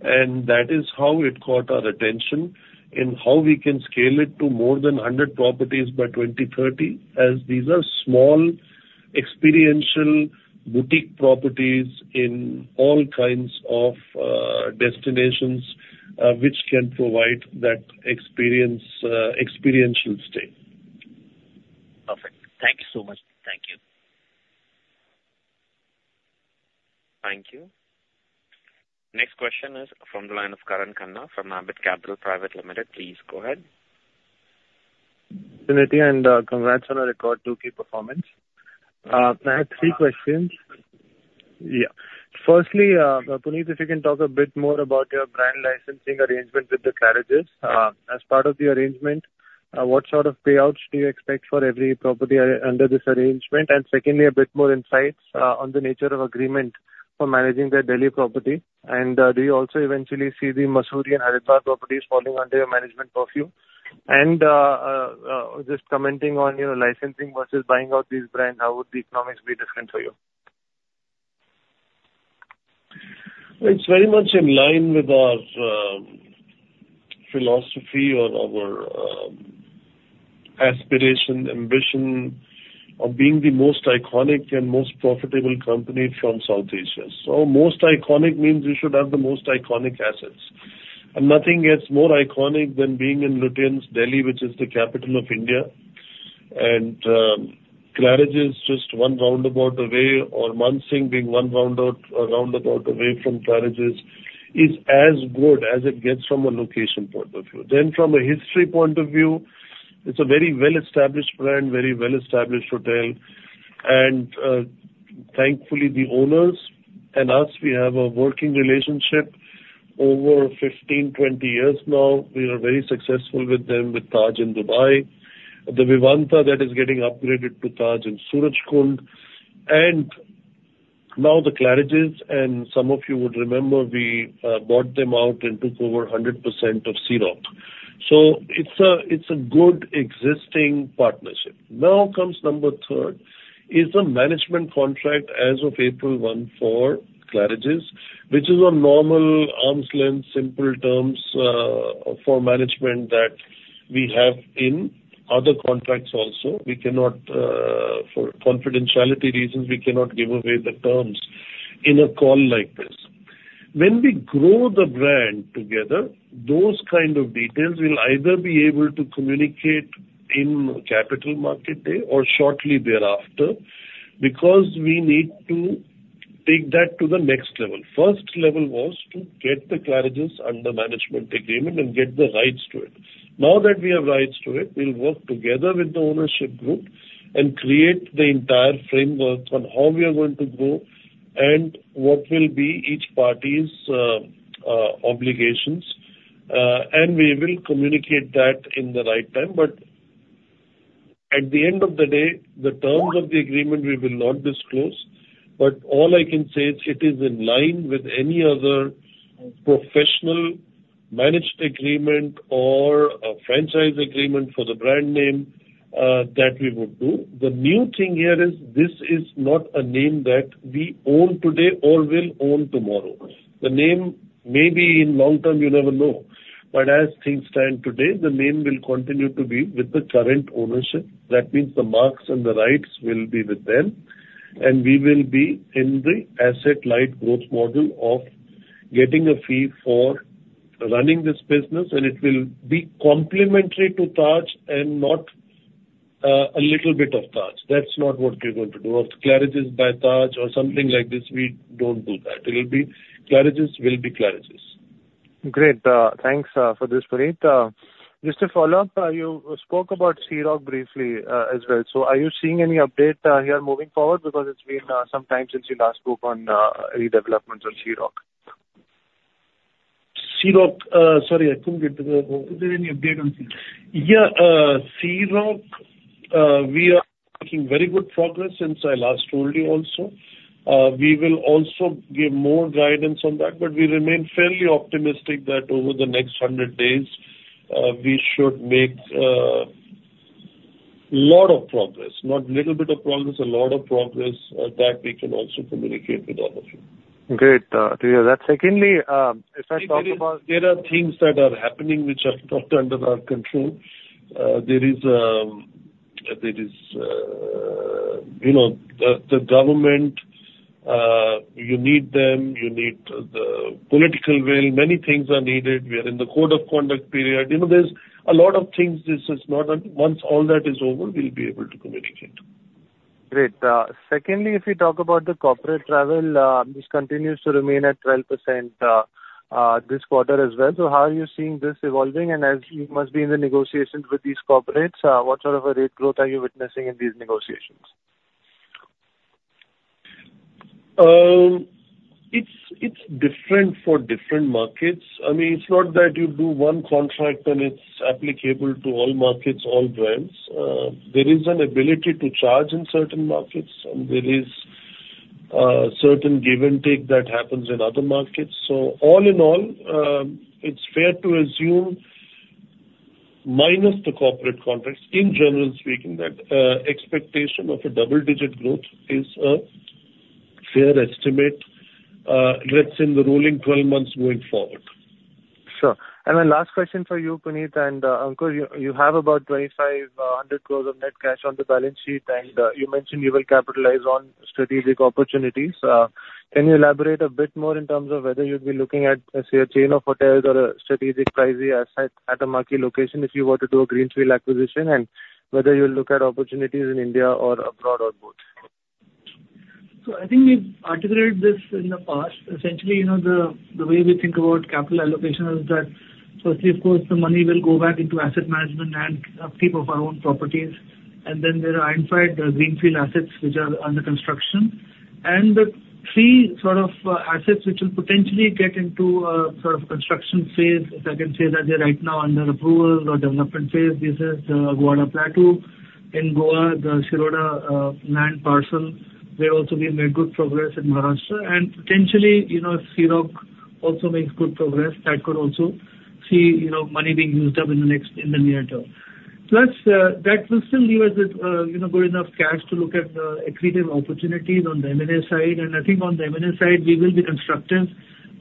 That is how it caught our attention in how we can scale it to more than 100 properties by 2030, as these are small experiential boutique properties in all kinds of destinations which can provide that experiential stay. Perfect. Thank you so much. Thank you. Thank you. Next question is from the line of Karan Khanna from Ambit Capital Private Limited. Please go ahead. Thank you, Puneet, and congrats on a record Q2 performance. I have three questions. Yeah. Firstly, Puneet, if you can talk a bit more about your brand licensing arrangement with Claridges. As part of the arrangement, what sort of payouts do you expect for every property under this arrangement? And secondly, a bit more insights on the nature of agreement for managing their Delhi property. And do you also eventually see the Mussoorie and Haridwar properties falling under your management purview? And just commenting on licensing versus buying out these brands, how would the economics be different for you? It's very much in line with our philosophy or our aspiration, ambition of being the most iconic and most profitable company from South Asia. So most iconic means you should have the most iconic assets. And nothing gets more iconic than being in Lutyens' Delhi, which is the capital of India. And Claridges just one roundabout away, or Mansingh being one roundabout away from Claridges, is as good as it gets from a location point of view. Then from a history point of view, it's a very well-established brand, very well-established hotel. And thankfully, the owners and us, we have a working relationship over 15, 20 years now. We are very successful with them with Taj in Dubai, the Vivanta that is getting upgraded to Taj in Surajkund. And now the Claridges, and some of you would remember, we bought them out and took over 100% of Sea Rock. It's a good existing partnership. Now comes number third is the management contract as of April 1 for Claridges, which is a normal arm's-length, simple terms for management that we have in other contracts also. We cannot, for confidentiality reasons, we cannot give away the terms in a call like this. When we grow the brand together, those kind of details will either be able to communicate in Capital Market Day or shortly thereafter because we need to take that to the next level. First level was to get the Claridges under management agreement and get the rights to it. Now that we have rights to it, we'll work together with the ownership group and create the entire framework on how we are going to grow and what will be each party's obligations. We will communicate that in the right time. But at the end of the day, the terms of the agreement we will not disclose. But all I can say is it is in line with any other professional managed agreement or a franchise agreement for the brand name that we would do. The new thing here is this is not a name that we own today or will own tomorrow. The name may be in long term, you never know. But as things stand today, the name will continue to be with the current ownership. That means the marks and the rights will be with them. And we will be in the asset-light growth model of getting a fee for running this business, and it will be complementary to Taj and not a little bit of Taj. That's not what we're going to do. Claridges by Taj or something like this, we don't do that. It will be Claridges. Great. Thanks for this, Puneet. Just to follow up, you spoke about Sea Rock briefly as well. So are you seeing any update here moving forward because it's been some time since you last spoke on redevelopment of Sea Rock? Rock, sorry, I couldn't get the, is there any update on Sea Rock? Yeah. Sea Rock, we are making very good progress since I last told you also. We will also give more guidance on that. But we remain fairly optimistic that over the next 100 days, we should make a lot of progress. Not a little bit of progress, a lot of progress that we can also communicate with all of you. Great to hear that. Secondly, if I talk about. There are things that are happening which are not under our control. There is the government. You need them. You need the political will. Many things are needed. We are in the code of conduct period. There's a lot of things. Once all that is over, we'll be able to communicate. Great. Secondly, if you talk about the corporate travel, this continues to remain at 12% this quarter as well. So how are you seeing this evolving? And as you must be in the negotiations with these corporates, what sort of a rate growth are you witnessing in these negotiations? It's different for different markets. I mean, it's not that you do one contract and it's applicable to all markets, all brands. There is an ability to charge in certain markets, and there is certain give and take that happens in other markets. So all in all, it's fair to assume, minus the corporate contracts, in general speaking, that expectation of a double-digit growth is a fair estimate, let's say, in the rolling 12 months going forward. Sure, and my last question for you, Puneet and Ankur, you have about 2,500 crores of net cash on the balance sheet, and you mentioned you will capitalize on strategic opportunities. Can you elaborate a bit more in terms of whether you'd be looking at, say, a chain of hotels or a strategic property at a marquee location if you were to do a greenfield acquisition, and whether you'll look at opportunities in India or abroad or both? So I think we've articulated this in the past. Essentially, the way we think about capital allocation is that, firstly, of course, the money will go back into asset management and CapEx of our own properties. And then there our own side, the greenfield assets, which are under construction. And the three sort of assets which will potentially get into a sort of construction phase, if I can say that they're right now under approval or development phase. This is the Kadamba Plateau in Goa, the Shiroda land parcel. There will also be made good progress in Maharashtra. And potentially, if Sea Rock also makes good progress, that could also see money being used up in the near term. Plus, that will still leave us with good enough cash to look at the equity opportunities on the M&A side. And I think on the M&A side, we will be constructive.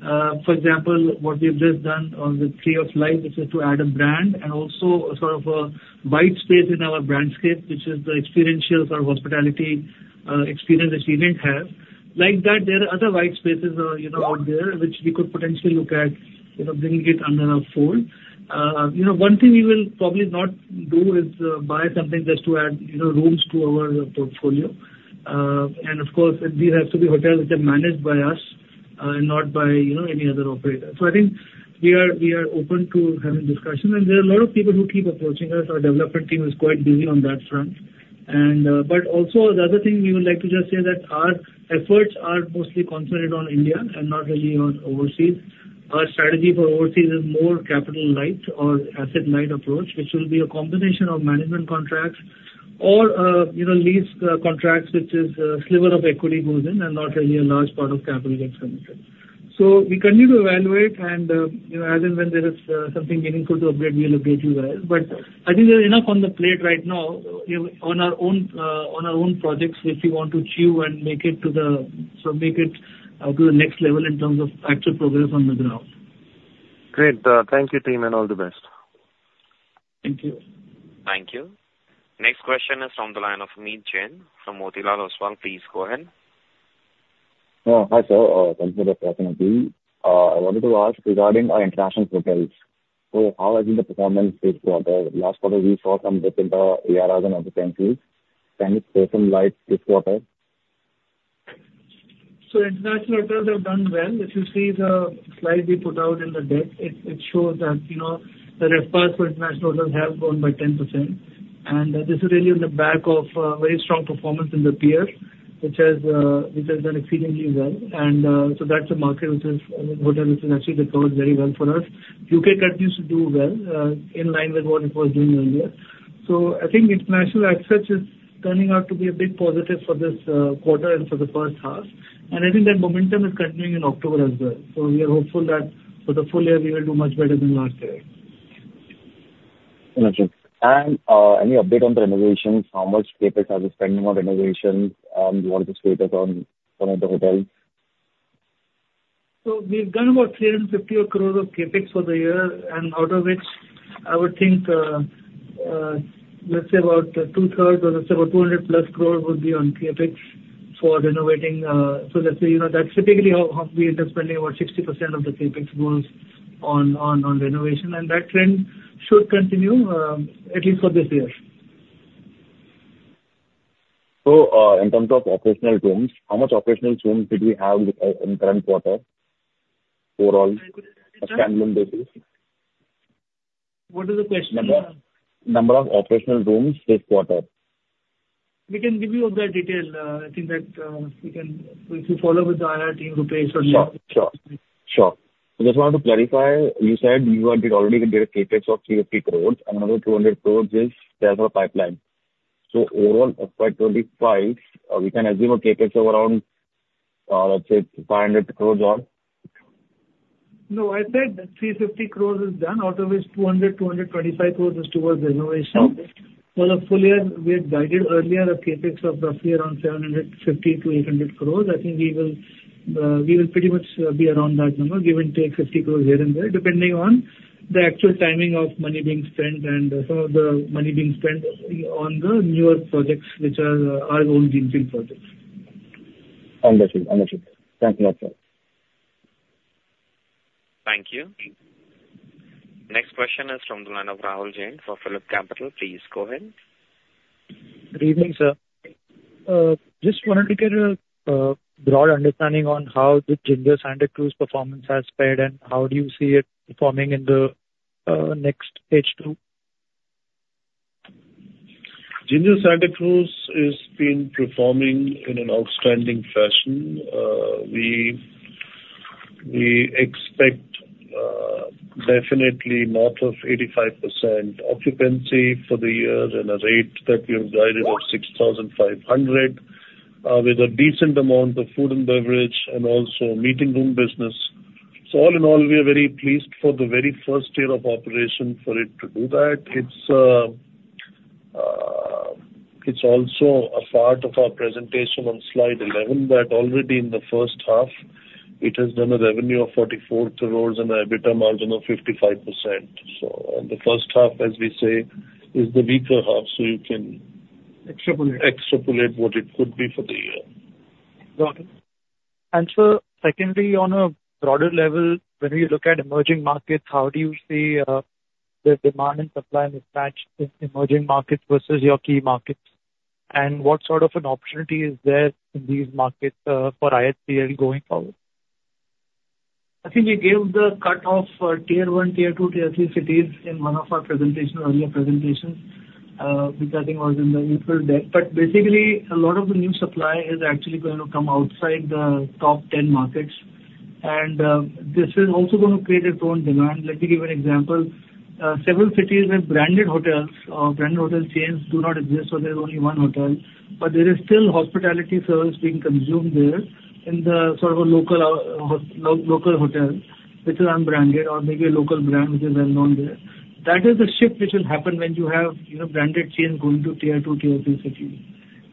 For example, what we have just done on the Tree of Life, which is to add a brand and also sort of a white space in our brandscape, which is the experiential sort of hospitality experience that we didn't have. Like that, there are other white spaces out there which we could potentially look at bringing it under our fold. One thing we will probably not do is buy something just to add rooms to our portfolio. And of course, these have to be hotels that are managed by us and not by any other operator. So I think we are open to having discussions. And there are a lot of people who keep approaching us. Our development team is quite busy on that front. But also, the other thing we would like to just say is that our efforts are mostly concentrated on India and not really on overseas. Our strategy for overseas is more capital-light or asset-light approach, which will be a combination of management contracts or lease contracts, where a sliver of equity goes in and not really a large part of capital gets committed. So we continue to evaluate. And as and when there is something meaningful to update, we'll update you guys. But I think there's enough on the plate right now on our own projects which we want to chew and make it to the sort of next level in terms of actual progress on the ground. Great. Thank you, team, and all the best. Thank you. Thank you. Next question is from the line of Meet Jain, from Motilal as well. Please go ahead. Hi, sir. Thank you for talking to me. I wanted to ask regarding our international hotels. So how has been the performance this quarter? Last quarter, we saw some dip in the ARRs and other benefits. Can we say something like this quarter? So international hotels have done well. If you see the slide we put out in the deck, it shows that the red bars for international hotels have grown by 10%. And this is really on the back of very strong performance in The Pierre, which has done exceedingly well. And so that's a market which is a hotel which has actually performed very well for us. U.K. continues to do well in line with what it was doing earlier. So I think international assets is turning out to be a big positive for this quarter and for the first half. And I think that momentum is continuing in October as well. So we are hopeful that for the full year, we will do much better than last year. Thank you. And any update on the renovations? How much CapEx are we spending on renovations? What is the status on some of the hotels? So we've done about 350 crores of CapEx for the year, and out of which, I would think, let's say about two-thirds or let's say about 200+ crores would be on CapEx for renovating. So let's say that's typically how we end up spending about 60% of the CapEx goes on renovation. And that trend should continue, at least for this year. So in terms of operational rooms, how much operational rooms did we have in current quarter overall on a standalone basis? What is the question? Number of operational rooms this quarter? We can give you all that detail. I think that we can, if you follow with the IR team, Rupesh or Jain. Sure. Sure. Sure. I just wanted to clarify. You said you already did a CapEx of 350 crores. Another 200 crores is there for the pipeline. So overall, of 2025, we can assume a CapEx of around, let's say, 500 crores or? No, I said 350 crores is done. Out of which, 200 crores-225 crores is towards renovation. For the full year, we had guided earlier a CapEx of roughly around 750 crores-800 crores. I think we will pretty much be around that number, give and take 50 crores here and there, depending on the actual timing of money being spent and some of the money being spent on the newer projects, which are our own greenfield projects. Understood. Understood. Thank you very much. Thank you. Next question is from the line of Rahul Jain for PhillipCapital. Please go ahead. Good evening, sir. Just wanted to get a broad understanding on how the Ginger Santacruz performance has fared and how do you see it performing in the next stage too? Ginger Santacruz is performing in an outstanding fashion. We expect definitely north of 85% occupancy for the year and a rate that we have guided of 6,500 with a decent amount of food and beverage and also meeting room business. All in all, we are very pleased for the very first year of operation for it to do that. It is also a part of our presentation on slide 11 that already in the first half, it has done a revenue of 44 crores and an EBITDA margin of 55%. The first half, as we say, is the weaker half, so you can extrapolate what it could be for the year. Got it. And sir, secondly, on a broader level, when we look at emerging markets, how do you see the demand and supply mismatch in emerging markets versus your key markets? And what sort of an opportunity is there in these markets for IHCL going forward? I think we gave the cut-off for tier one, tier two, tier three cities in one of our presentations, earlier presentations, which I think was in the April deck. But basically, a lot of the new supply is actually going to come outside the top 10 markets, and this is also going to create its own demand. Let me give you an example. Several cities have branded hotels or branded hotel chains do not exist, so there's only one hotel. But there is still hospitality service being consumed there in the sort of local hotel, which is unbranded or maybe a local brand which is well-known there. That is the shift which will happen when you have branded chains going to tier two, tier three cities.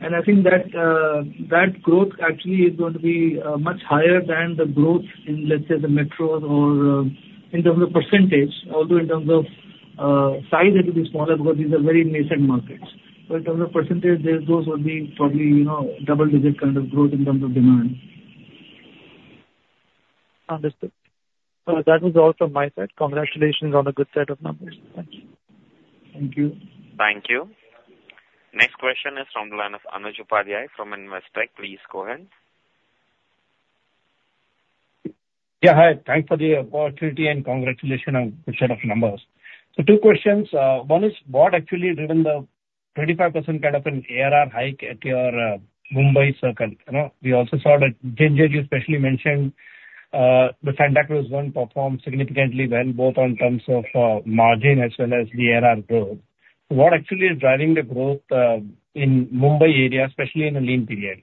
I think that growth actually is going to be much higher than the growth in, let's say, the metros or in terms of percentage. Although in terms of size, it will be smaller because these are very nascent markets. In terms of percentage, those will be probably double-digit kind of growth in terms of demand. Understood. That was all from my side. Congratulations on a good set of numbers. Thanks. Thank you. Thank you. Next question is from the line of Anuj Upadhyay from Investec. Please go ahead. Yeah. Hi. Thanks for the opportunity and congratulations on the set of numbers. So two questions. One is, what actually driven the 25% kind of an ARR hike at your Mumbai circle? We also saw that Ginger you especially mentioned the Santacruz one performed significantly well, both in terms of margin as well as the ARR growth. So what actually is driving the growth in Mumbai area, especially in a lean period?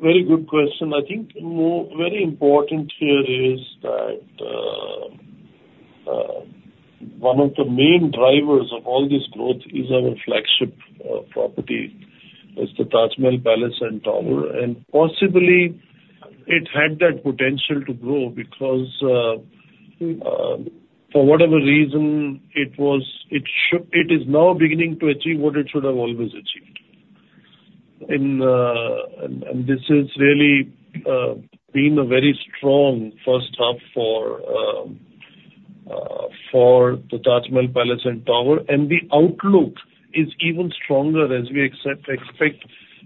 Very good question. I think very important here is that one of the main drivers of all this growth is our flagship property. It's the Taj Mahal Palace and Tower. And possibly, it had that potential to grow because for whatever reason, it is now beginning to achieve what it should have always achieved. And this has really been a very strong first half for the Taj Mahal Palace and Tower. And the outlook is even stronger as we expect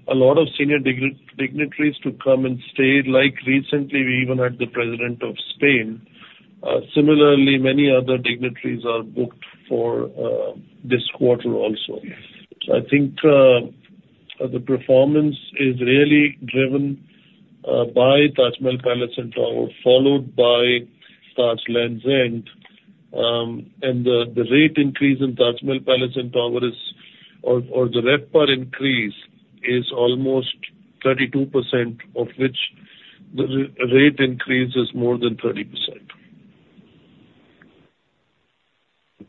a lot of senior dignitaries to come and stay. Like recently, we even had the President of Spain. Similarly, many other dignitaries are booked for this quarter also. So I think the performance is really driven by Taj Mahal Palace and Tower, followed by Taj Lands End. The rate increase in Taj Mahal Palace and Tower or the RevPAR increase is almost 32%, of which the rate increase is more than 30%.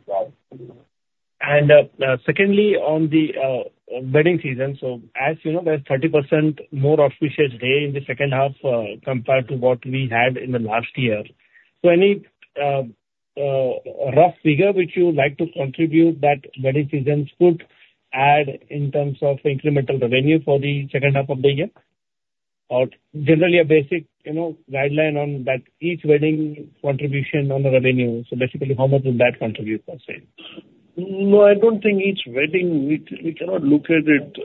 Got it. And secondly, on the wedding season, so as you know, there's 30% more auspicious day in the second half compared to what we had in the last year. So any rough figure which you would like to contribute that wedding seasons could add in terms of incremental revenue for the second half of the year? Or generally a basic guideline on that each wedding contribution on the revenue. So basically, how much would that contribute, per se? No, I don't think each wedding we cannot look at it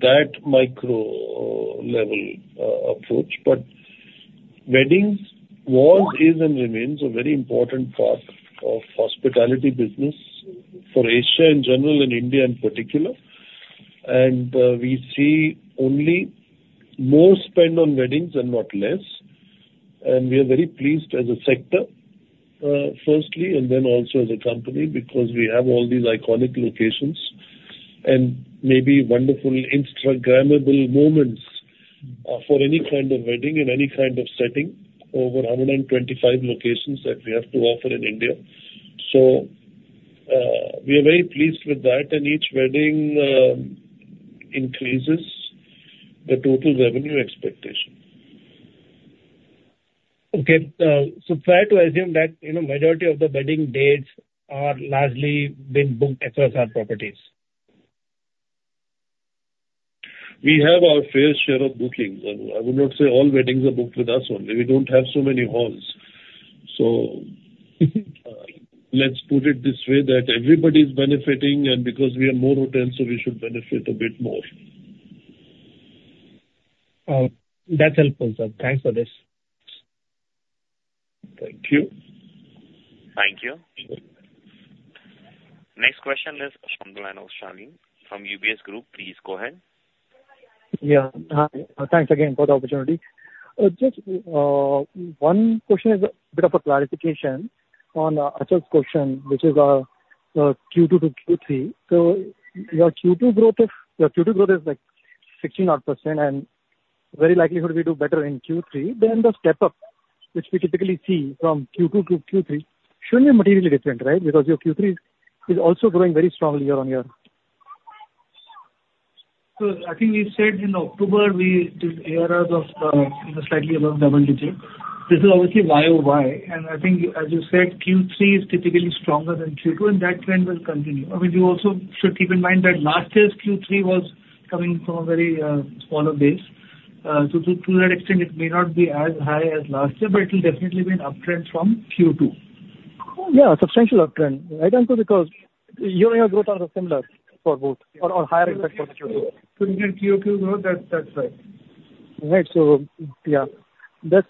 that micro-level approach, but weddings was, is, and remains a very important part of hospitality business for Asia in general and India in particular, and we see only more spend on weddings and not less, and we are very pleased as a sector, firstly, and then also as a company because we have all these iconic locations and maybe wonderful Instagrammable moments for any kind of wedding in any kind of setting over 125 locations that we have to offer in India, so we are very pleased with that, and each wedding increases the total revenue expectation. Okay. So fair to assume that majority of the wedding dates are largely being booked across our properties? We have our fair share of bookings. I would not say all weddings are booked with us only. We don't have so many halls. So let's put it this way that everybody is benefiting. And because we have more hotels, so we should benefit a bit more. That's helpful, sir. Thanks for this. Thank you. Thank you. Next question is from the line of Shalini from UBS Group. Please go ahead. Yeah. Thanks again for the opportunity. Just one question is a bit of a clarification on Achal's question, which is Q2-Q3. So your Q2 growth is like 16%, and very likely we do better in Q3. Then the step-up, which we typically see from Q2-Q3, shouldn't be materially different, right? Because your Q3 is also growing very strongly year-on-year. So I think we said in October, we did ARRs of slightly above double digit. This is obviously YOY. And I think, as you said, Q3 is typically stronger than Q2, and that trend will continue. I mean, you also should keep in mind that last year, Q3 was coming from a very smaller base. So to that extent, it may not be as high as last year, but it will definitely be an uptrend from Q2. Yeah, a substantial uptrend. I don't know because year-on-year growth are similar for both or higher effect for the Q2? So you said Q2 growth? That's right. Right. So yeah, that's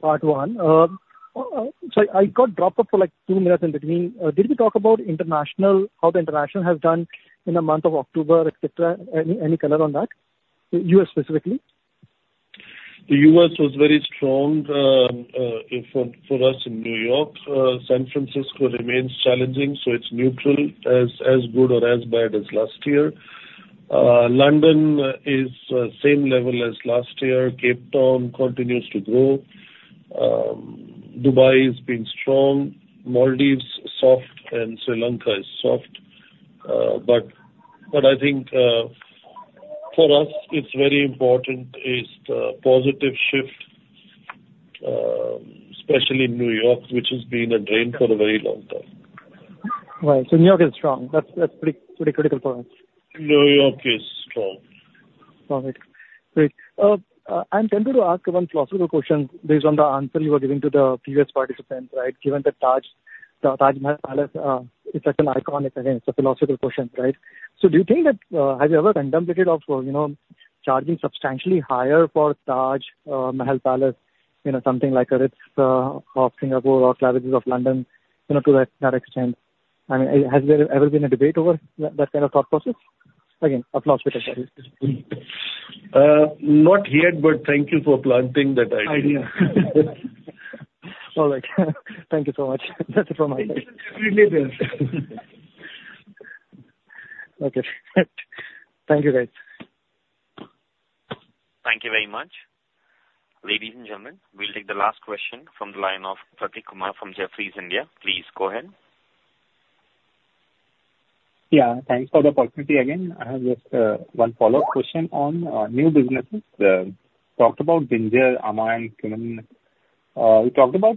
part one. So I got dropped off for like two minutes in between. Did we talk about how the international has done in a month of October, et cetera? Any color on that? The U.S. specifically. The U.S. was very strong for us in New York. San Francisco remains challenging, so it's neutral, as good or as bad as last year. London is same level as last year. Cape Town continues to grow. Dubai is being strong. Maldives is soft and Sri Lanka is soft. But I think for us, it's very important is the positive shift, especially in New York, which has been a drain for a very long time. Right, so New York is strong. That's pretty critical for us. New York is strong. Got it. Great. I'm tempted to ask one philosophical question based on the answer you were giving to the previous participants, right? Given that Taj Mahal Palace is such an iconic, again, it's a philosophical question, right? So do you think that have you ever contemplated of charging substantially higher for Taj Mahal Palace, something like Ritz of Singapore or Claridges of London to that extent? I mean, has there ever been a debate over that kind of thought process? Again, a philosophical question. Not yet, but thank you for planting that idea. All right. Thank you so much. That's it from my side. It's definitely there. Okay. Thank you, guys. Thank you very much. Ladies and gentlemen, we'll take the last question from the line of Prateek Kumar from Jefferies India. Please go ahead. Yeah. Thanks for the opportunity again. I have just one follow-up question on new businesses. Talked about Ginger, ãma, Qmin. We talked about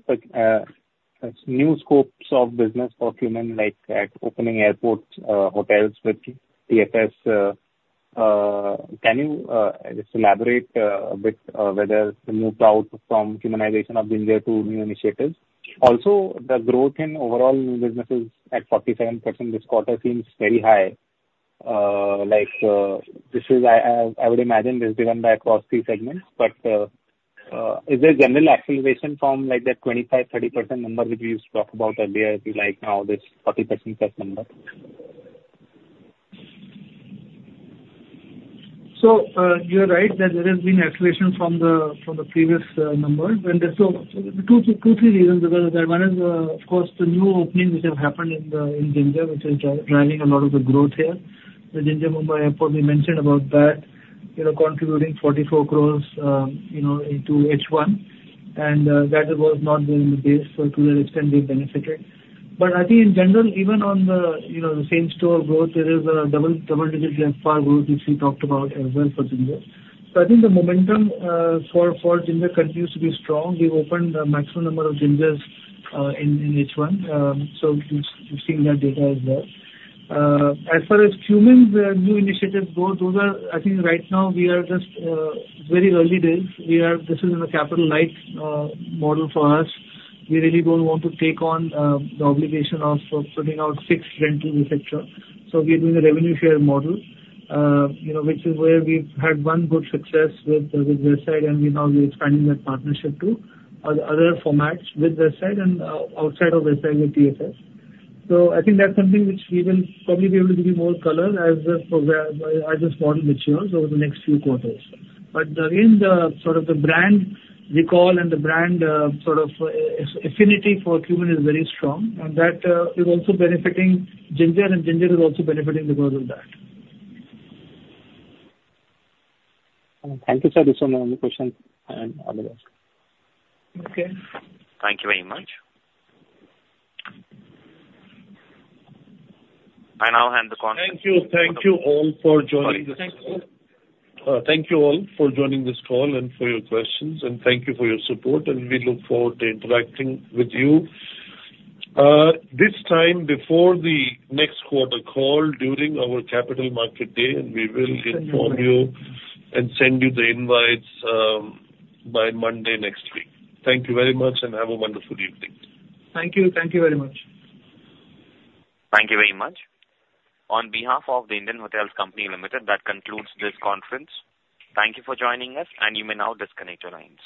new scopes of business for Qmin, like opening airports, hotels with TFS. Can you just elaborate a bit whether the move out from Qmin-isation of Ginger to new initiatives? Also, the growth in overall new businesses at 47% this quarter seems very high. I would imagine there's given by across these segments. But is there general acceleration from that 25%-30% number that we used to talk about earlier to now this 40%+ number? So you're right that there has been acceleration from the previous number. And so two or three reasons because one is, of course, the new openings which have happened in Ginger, which is driving a lot of the growth here. The Ginger Mumbai Airport, we mentioned about that, contributing 44 crores in H1. And that was not there in the base to the extent they benefited. But I think in general, even on the same store growth, there is a double-digit RevPAR growth which we talked about as well for Ginger. So I think the momentum for Ginger continues to be strong. We've opened the maximum number of Gingers in H1. So we've seen that data as well. As far as Qmin's new initiatives go, those are I think right now we are just very early days. This is in a capital light model for us. We really don't want to take on the obligation of putting out fixed rentals, et cetera. So we're doing a revenue share model, which is where we've had one good success with Westside, and now we're expanding that partnership to other formats with Westside and outside of Westside with TFS. So I think that's something which we will probably be able to give you more color as this model matures over the next few quarters. But again, sort of the brand recall and the brand sort of affinity for Qmin is very strong. And that is also benefiting Ginger, and Ginger is also benefiting because of that. Thank you, sir. This was my only question and otherwise. Okay. Thank you very much. And I'll hand the conference. Thank you. Thank you all for joining this call. Thank you all for joining this call and for your questions. And thank you for your support. And we look forward to interacting with you. This time before the next quarter call during our Capital Market Day, and we will inform you and send you the invites by Monday next week. Thank you very much, and have a wonderful evening. Thank you. Thank you very much. Thank you very much. On behalf of the Indian Hotels Company Limited, that concludes this conference. Thank you for joining us, and you may now disconnect your lines.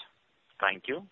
Thank you.